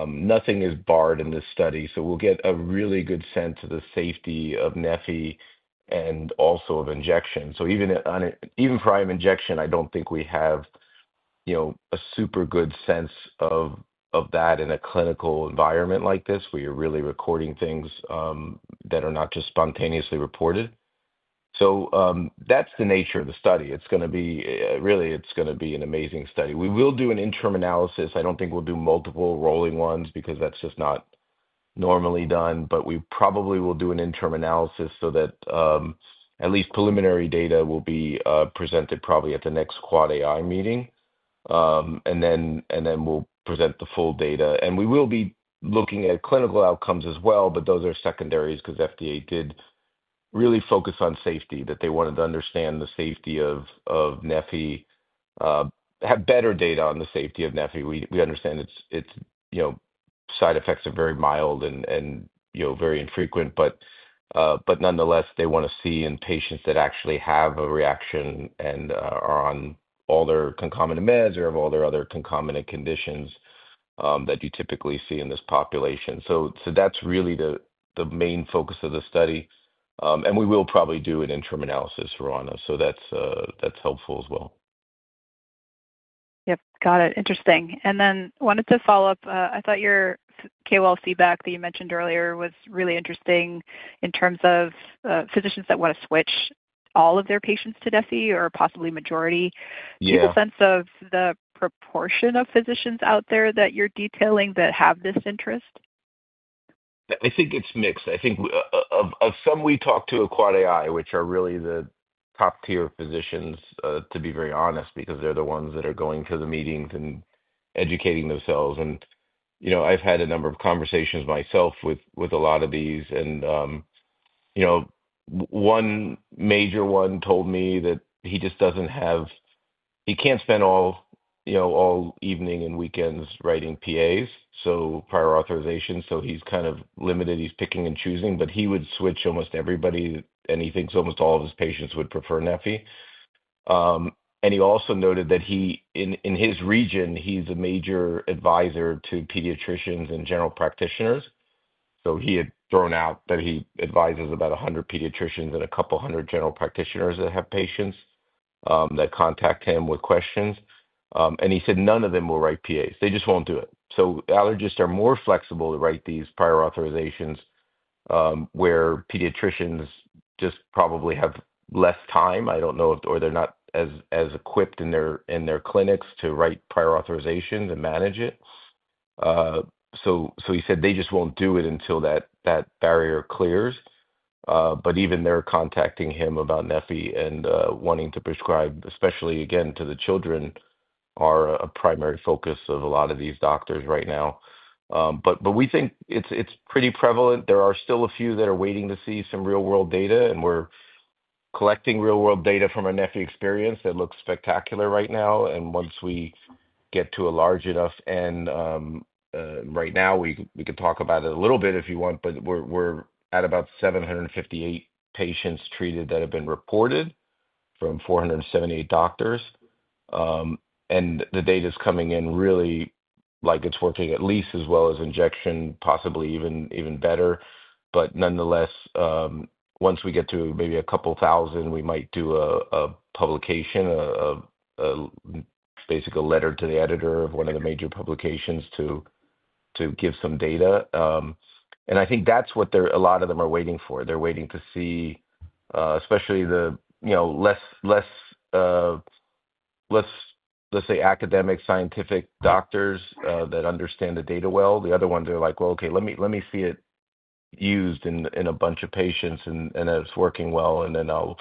Nothing is barred in this study. We'll get a really good sense of the safety of Neffy and also of injection. Even prior injection, I don't think we have a super good sense of that in a clinical environment like this where you're really recording things that are not just spontaneously reported. That's the nature of the study. It's going to be really, it's going to be an amazing study. We will do an interim analysis. I don't think we'll do multiple rolling ones because that's just not normally done. We probably will do an interim analysis so that at least preliminary data will be presented probably at the next AAAAI meeting. Then we'll present the full data. We will be looking at clinical outcomes as well, but those are secondaries because FDA did really focus on safety, that they wanted to understand the safety of Neffy, have better data on the safety of Neffy. We understand its side effects are very mild and very infrequent. Nonetheless, they want to see in patients that actually have a reaction and are on all their concomitant meds or have all their other concomitant conditions that you typically see in this population. That is really the main focus of the study. We will probably do an interim analysis, Roanna. That is helpful as well. Yep. Got it. Interesting. I wanted to follow up. I thought your KOL feedNback that you mentioned earlier was really interesting in terms of physicians that want to switch all of their patients to Neffy or possibly majority. Do you have a sense of the proportion of physicians out there that you're detailing that have this interest? I think it's mixed. I think of some we talked to at AAAAI, which are really the top-tier physicians, to be very honest, because they're the ones that are going to the meetings and educating themselves. I've had a number of conversations myself with a lot of these. One major one told me that he just doesn't have, he can't spend all evening and weekends writing PAs, so prior authorization. He's kind of limited. He's picking and choosing. He would switch almost everybody, and he thinks almost all of his patients would prefer Neffy. He also noted that in his region, he's a major advisor to pediatricians and general practitioners. He had thrown out that he advises about 100 pediatricians and a couple hundred general practitioners that have patients that contact him with questions. He said none of them will write PAs. They just won't do it. Allergists are more flexible to write these prior authorizations where pediatricians just probably have less time. I don't know if they're not as equipped in their clinics to write prior authorizations and manage it. He said they just won't do it until that barrier clears. Even they're contacting him about Neffy and wanting to prescribe, especially, again, to the children are a primary focus of a lot of these doctors right now. We think it's pretty prevalent. There are still a few that are waiting to see some real-world data. We're collecting real-world data from our Neffy experience that looks spectacular right now. Once we get to a large enough, and right now, we can talk about it a ANCHlittle bit if you want, but we're at about 758 patients treated that have been reported from 478 doctors. The data is coming in really like it's working at least as well as injection, possibly even better. Nonetheless, once we get to maybe a couple thousand, we might do a publication, basically a letter to the editor of one of the major publications to give some data. I think that's what a lot of them are waiting for. They're waiting to see, especially the less, let's say, academic, scientific doctors that understand the data well. The other ones, they're like, "Well, okay, let me see it used in a bunch of patients, and it's working well, and then I'll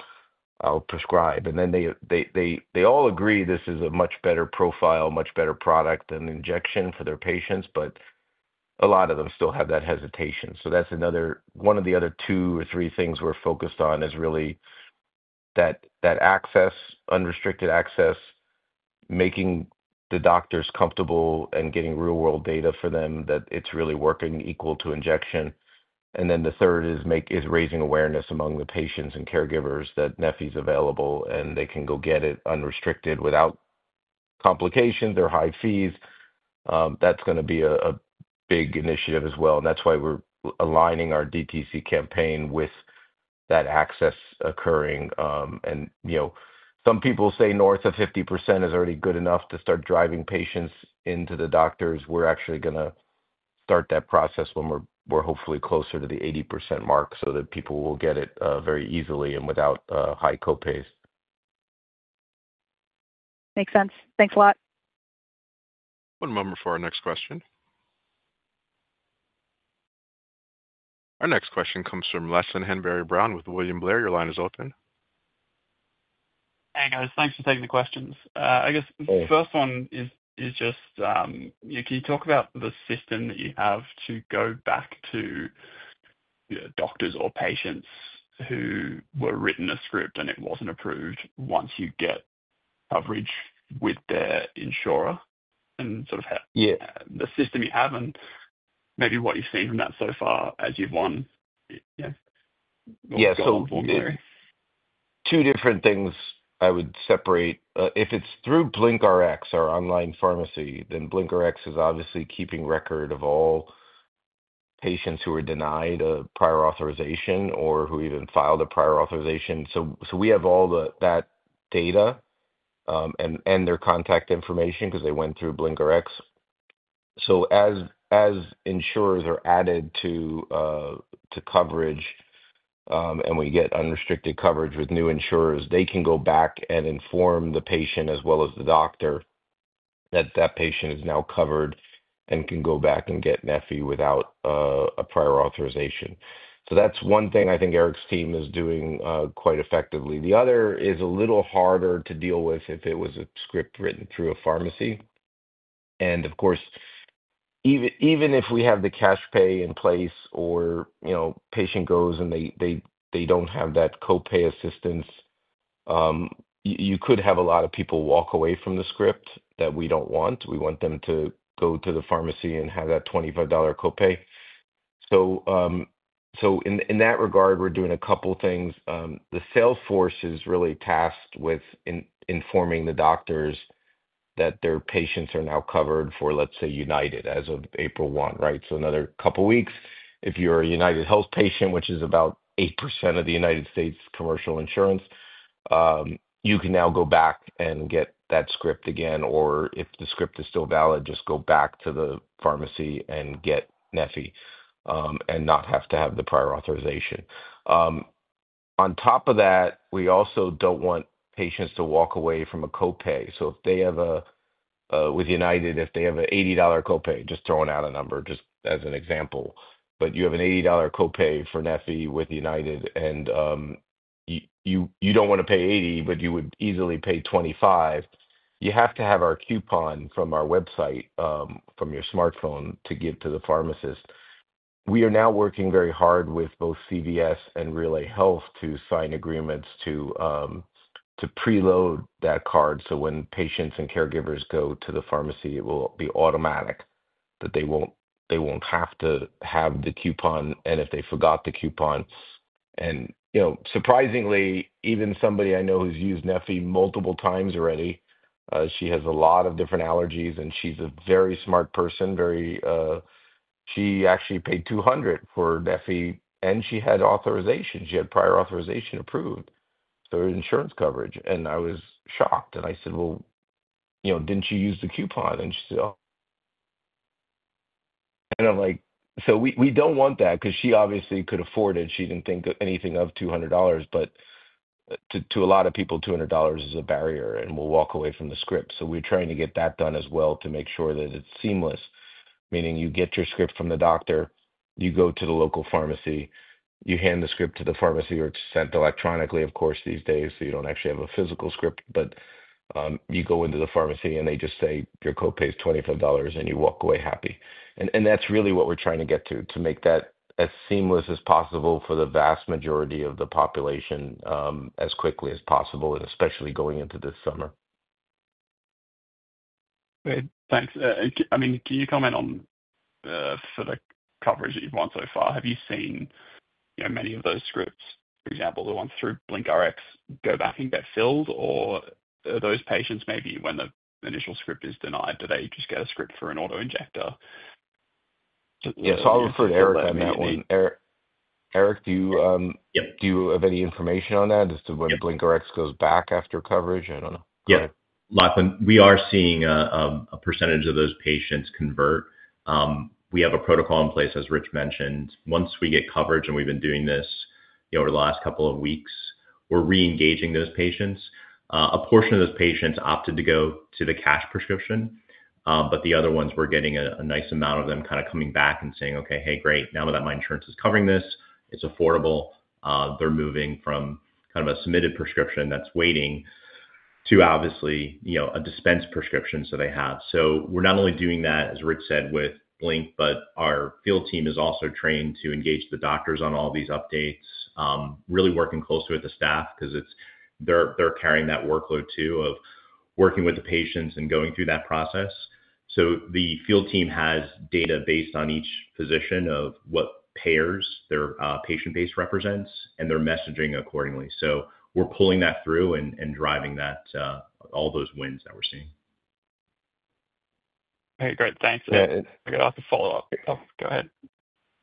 prescribe." They all agree this is a much better profile, much better product than injection for their patients. A lot of them still have that hesitation. That is one of the other two or three things we're focused on, really that unrestricted access, making the doctors comfortable and getting real-world data for them that it's really working equal to injection. The third is raising awareness among the patients and caregivers that Neffy is available, and they can go get it unrestricted without complications or high fees. That is going to be a big initiative as well. That is why we're aligning our DTC campaign with that access occurring. Some people say north of 50% is already good enough to start driving patients into the doctors. We're actually going to start that process when we're hopefully closer to the 80% mark so that people will get it very easily and without high copays. Makes sense. Thanks a lot. One moment for our next question. Our next question comes from Lachlan Hanbury-Brown with William Blair. Your line is open. Hey, guys. Thanks for taking the questions. I guess the first one is just, can you talk about the system that you have to go back to doctors or patients who were written a script and it wasn't approved once you get coverage with their insurer? And sort of the system you have and maybe what you've seen from that so far as you've won some formulary. Yeah. Two different things I would separate. If it's through BlinkRx, our online pharmacy, then BlinkRx is obviously keeping record of all patients who were denied a prior authorization or who even filed a prior authorization. We have all that data and their contact information because they went through BlinkRx. As insurers are added to coverage and we get unrestricted coverage with new insurers, they can go back and inform the patient as well as the doctor that that patient is now covered and can go back and get Neffy without a prior authorization. That is one thing I think Eric's team is doing quite effectively. The other is a little harder to deal with if it was a script written through a pharmacy. Of course, even if we have the cash pay in place or a patient goes and they do not have that copay assistance, you could have a lot of people walk away from the script that we do not want. We want them to go to the pharmacy and have that $25 copay. In that regard, we are doing a couple of things. The sales force is really tasked with informing the doctors that their patients are now covered for, let's say, United as of April 1, right? Another couple of weeks, if you are a UnitedHealthcare patient, which is about 8% of the United States commercial insurance, you can now go back and get that script again. If the script is still valid, just go back to the pharmacy and get Neffy and not have to have the prior authorization. On top of that, we also do not want patients to walk away from a copay. If they have, with United, if they have an $80 copay, just throwing out a number just as an example. You have an $80 copay for Neffy with United, and you do not want to pay $80, but you would easily pay $25. You have to have our coupon from our website from your smartphone to give to the pharmacist. We are now working very hard with both CVS and RelayHealth to sign agreements to preload that card. When patients and caregivers go to the pharmacy, it will be automatic that they will not have to have the coupon. If they forgot the coupon. Surprisingly, even somebody I know who has used Neffy multiple times already, she has a lot of different allergies, and she is a very smart person. She actually paid $200 for Neffy, and she had authorization. She had prior authorization approved for insurance coverage. I was shocked. I said, "Didn't she use the coupon?" She said, "Oh." I'm like, "We don't want that because she obviously could afford it. She didn't think anything of $200." To a lot of people, $200 is a barrier, and we'll walk away from the script. We're trying to get that done as well to make sure that it's seamless, meaning you get your script from the doctor, you go to the local pharmacy, you hand the script to the pharmacy, or it's sent electronically, of course, these days, so you don't actually have a physical script. You go into the pharmacy, and they just say, "Your copay is $25," and you walk away happy. That is really what we're trying to get to, to make that as seamless as possible for the vast majority of the population as quickly as possible, especially going into this summer. Great. Thanks. I mean, can you comment on sort of coverage that you've won so far? Have you seen many of those scripts, for example, the ones through BlinkRx, go back and get filled? Or those patients, maybe when the initial script is denied, do they just get a script for an auto-injector? Yeah. I will refer to Eric on that one. Eric, do you have any information on that as to when BlinkRx goes back after coverage? I do not know. Yeah. We are seeing a percentage of those patients convert. We have a protocol in place, as Rich mentioned. Once we get coverage, and we've been doing this over the last couple of weeks, we're reengaging those patients. A portion of those patients opted to go to the cash prescription. The other ones, we're getting a nice amount of them kind of coming back and saying, "Okay, hey, great. Now that my insurance is covering this, it's affordable." They're moving from kind of a submitted prescription that's waiting to obviously a dispensed prescription so they have. We're not only doing that, as Rich said, with Blink, but our field team is also trained to engage the doctors on all these updates, really working closely with the staff because they're carrying that workload too of working with the patients and going through that process. The field team has data based on each physician of what payers their patient base represents, and they're messaging accordingly. We're pulling that through and driving all those wins that we're seeing. Okay. Great. Thanks. I got a follow-up. Go ahead.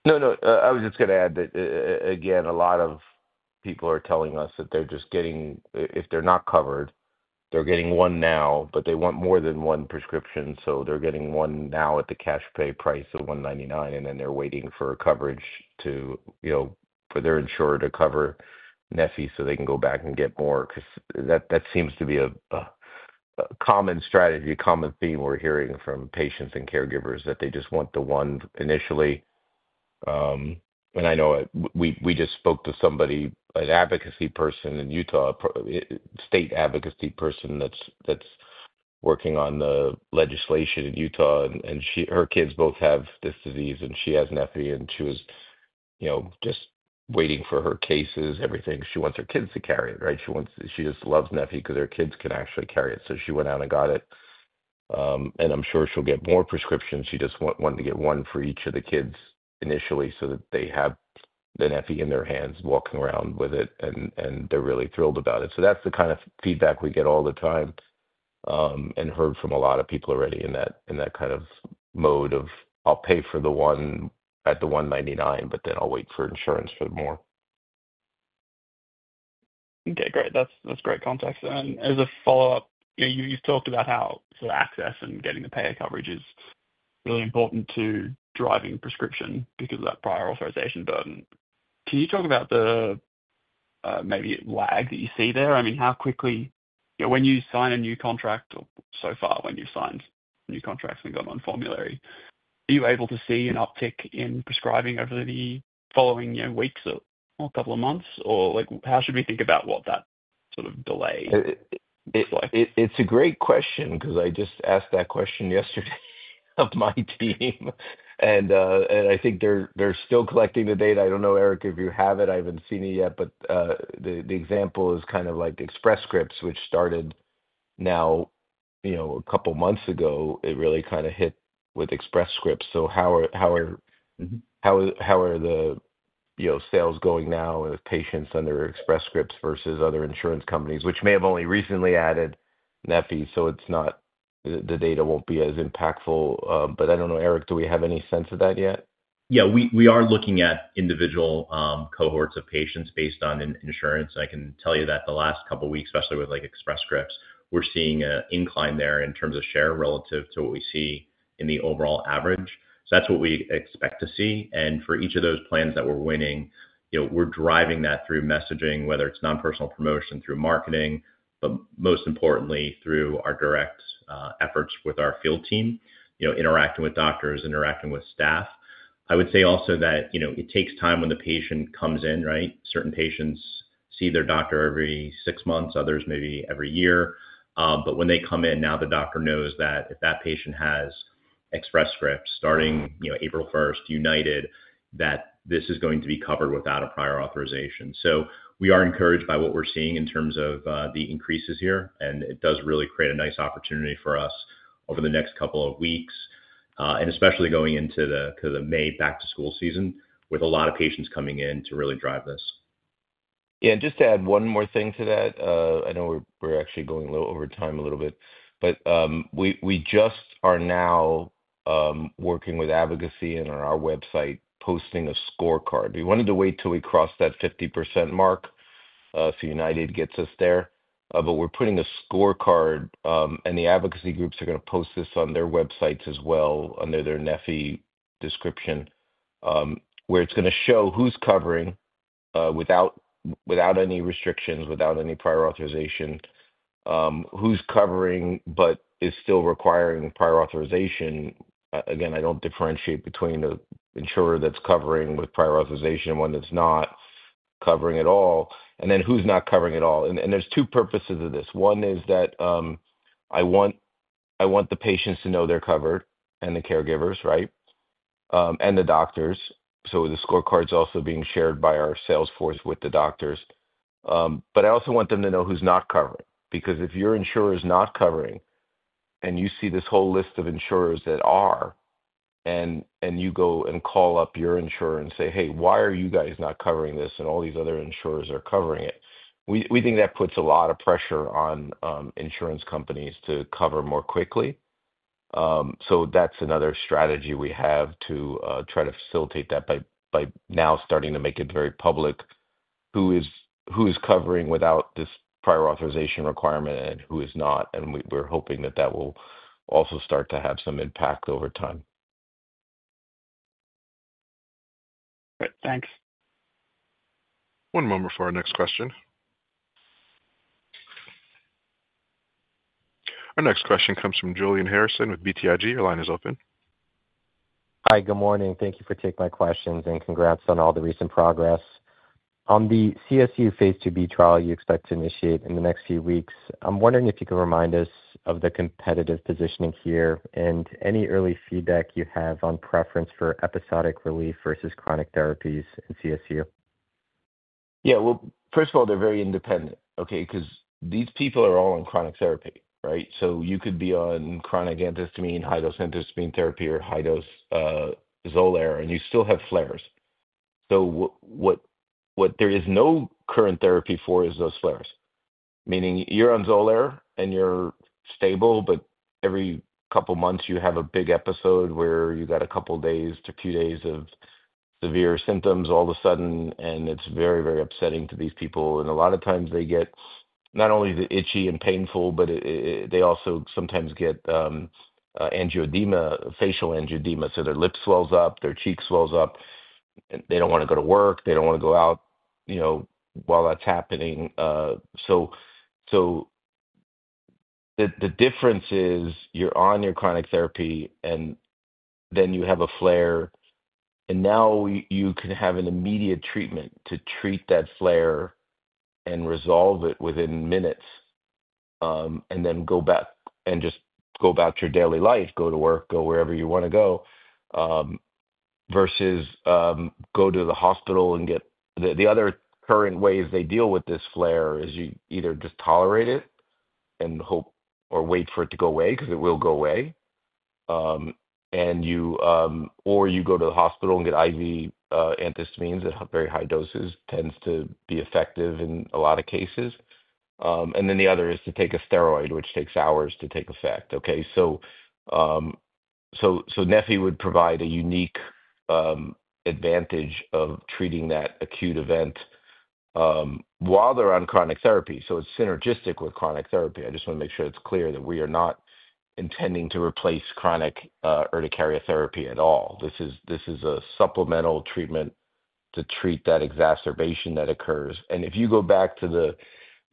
No, no. I was just going to add that, again, a lot of people are telling us that they're just getting, if they're not covered, they're getting one now, but they want more than one prescription. They're getting one now at the cash pay price of $199, and then they're waiting for coverage for their insurer to cover Neffy so they can go back and get more because that seems to be a common strategy, common theme we're hearing from patients and caregivers that they just want the one initially. I know we just spoke to somebody, an advocacy person in Utah, a state advocacy person that's working on the legislation in Utah. Her kids both have this disease, and she has Neffy, and she was just waiting for her cases, everything. She wants her kids to carry it, right? She just loves Neffy because her kids can actually carry it. She went out and got it. I'm sure she'll get more prescriptions. She just wanted to get one for each of the kids initially so that they have the Neffy in their hands walking around with it, and they're really thrilled about it. That's the kind of feedback we get all the time and heard from a lot of people already in that kind of mode of, "I'll pay for the one at the $199, but then I'll wait for insurance for more." Okay. Great. That's great context. As a follow-up, you've talked about how sort of access and getting the payer coverage is really important to driving prescription because of that prior authorization burden. Can you talk about the maybe lag that you see there? I mean, how quickly when you sign a new contract or so far when you've signed new contracts and gone on formulary, are you able to see an uptick in prescribing over the following weeks or a couple of months? Or how should we think about what that sort of delay looks like? It's a great question because I just asked that question yesterday of my team. I think they're still collecting the data. I don't know, Eric, if you have it. I haven't seen it yet. The example is kind of like Express Scripts, which started now a couple of months ago. It really kind of hit with Express Scripts. How are the sales going now with patients under Express Scripts versus other insurance companies, which may have only recently added Neffy? The data will not be as impactful. I do not know, Eric, do we have any sense of that yet? Yeah. We are looking at individual cohorts of patients based on insurance. I can tell you that the last couple of weeks, especially with Express Scripts, we are seeing an incline there in terms of share relative to what we see in the overall average. That is what we expect to see. For each of those plans that we are winning, we are driving that through messaging, whether it is nonpersonal promotion through marketing, but most importantly, through our direct efforts with our field team, interacting with doctors, interacting with staff. I would say also that it takes time when the patient comes in, right? Certain patients see their doctor every six months, others maybe every year. But when they come in, now the doctor knows that if that patient has Express Scripts starting April 1, United, that this is going to be covered without a prior authorization. We are encouraged by what we're seeing in terms of the increases here. It does really create a nice opportunity for us over the next couple of weeks, and especially going into the May back-to-school season with a lot of patients coming in to really drive this. Yeah. Just to add one more thing to that, I know we're actually going a little over time a little bit. We just are now working with advocacy and on our website posting a scorecard. We wanted to wait till we cross that 50% mark, so United gets us there. We're putting a scorecard, and the advocacy groups are going to post this on their websites as well under their Neffy description, where it's going to show who's covering without any restrictions, without any prior authorization, who's covering but is still requiring prior authorization. Again, I don't differentiate between the insurer that's covering with prior authorization and one that's not covering at all, and then who's not covering at all. There are two purposes of this. One is that I want the patients to know they're covered and the caregivers, right, and the doctors. The scorecard is also being shared by our sales force with the doctors. I also want them to know who's not covering because if your insurer is not covering and you see this whole list of insurers that are, and you go and call up your insurer and say, "Hey, why are you guys not covering this?" and all these other insurers are covering it, we think that puts a lot of pressure on insurance companies to cover more quickly. That is another strategy we have to try to facilitate that by now starting to make it very public who is covering without this prior authorization requirement and who is not. We are hoping that will also start to have some impact over time. Great. Thanks. One moment for our next question. Our next question comes from Julian Harrison with BTIG. Your line is open. Hi. Good morning. Thank you for taking my questions and congrats on all the recent progress. On the CSU Phase 2b trial you expect to initiate in the next few weeks, I'm wondering if you could remind us of the competitive positioning here and any early feedback you have on preference for episodic relief versus chronic therapies in CSU. Yeah. First of all, they're very independent, okay, because these people are all on chronic therapy, right? You could be on chronic antihistamine, high-dose antihistamine therapy, or high-dose Xolair, and you still have flares. What there is no current therapy for is those flares, meaning you're on Xolair and you're stable, but every couple of months you have a big episode where you got a couple of days to a few days of severe symptoms all of a sudden, and it's very, very upsetting to these people. A lot of times they get not only the itchy and painful, but they also sometimes get facial angioedema. Their lip swells up, their cheek swells up. They do not want to go to work. They do not want to go out while that is happening. The difference is you are on your chronic therapy, and then you have a flare, and now you can have an immediate treatment to treat that flare and resolve it within minutes and then go back and just go about your daily life, go to work, go wherever you want to go, versus go to the hospital and get the other current ways they deal with this flare is you either just tolerate it and hope or wait for it to go away because it will go away, or you go to the hospital and get IV antihistamines at very high doses. It tends to be effective in a lot of cases. The other is to take a steroid, which takes hours to take effect, okay? Neffy would provide a unique advantage of treating that acute event while they're on chronic therapy. It's synergistic with chronic therapy. I just want to make sure it's clear that we are not intending to replace chronic urticaria therapy at all. This is a supplemental treatment to treat that exacerbation that occurs. If you go back to the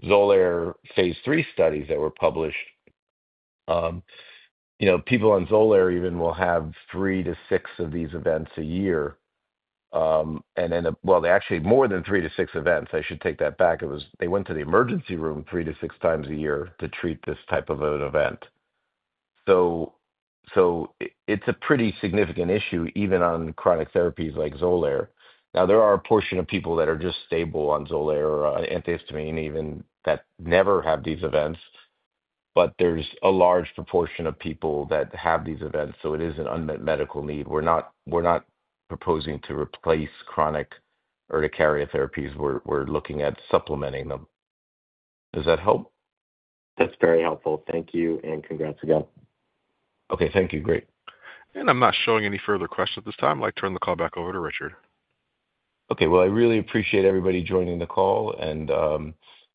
Xolair Phase 3 studies that were published, people on Xolair even will have three to six of these events a year. Actually, more than three to six events. I should take that back. They went to the emergency room three to six times a year to treat this type of an event. It is a pretty significant issue even on chronic therapies like Xolair. Now, there are a portion of people that are just stable on Xolair or antihistamine even that never have these events, but there is a large proportion of people that have these events, so it is an unmet medical need. We are not proposing to replace chronic urticaria therapies. We are looking at supplementing them. Does that help? That is very helpful. Thank you. And congrats again. Okay. Thank you. Great. I am not showing any further questions at this time. I would like to turn the call back over to Richard. Okay. I really appreciate everybody joining the call and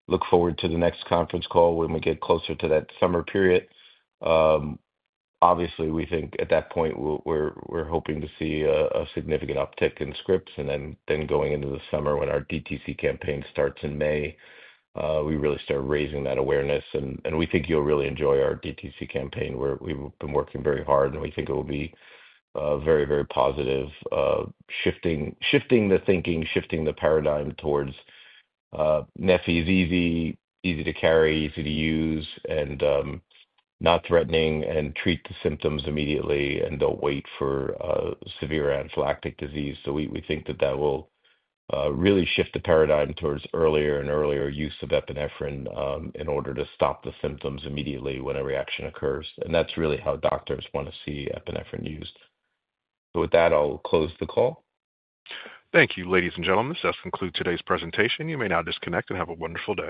look forward to the next conference call when we get closer to that summer period. Obviously, we think at that point, we are hoping to see a significant uptick in scripts. Going into the summer when our DTC campaign starts in May, we really start raising that awareness. We think you'll really enjoy our DTC campaign. We've been working very hard, and we think it will be very, very positive, shifting the thinking, shifting the paradigm towards Neffy is easy, easy to carry, easy to use, and not threatening, and treat the symptoms immediately, and don't wait for severe anaphylactic disease. We think that that will really shift the paradigm towards earlier and earlier use of epinephrine in order to stop the symptoms immediately when a reaction occurs. That's really how doctors want to see epinephrine used. With that, I'll close the call. Thank you, ladies and gentlemen. This does conclude today's presentation. You may now disconnect and have a wonderful day.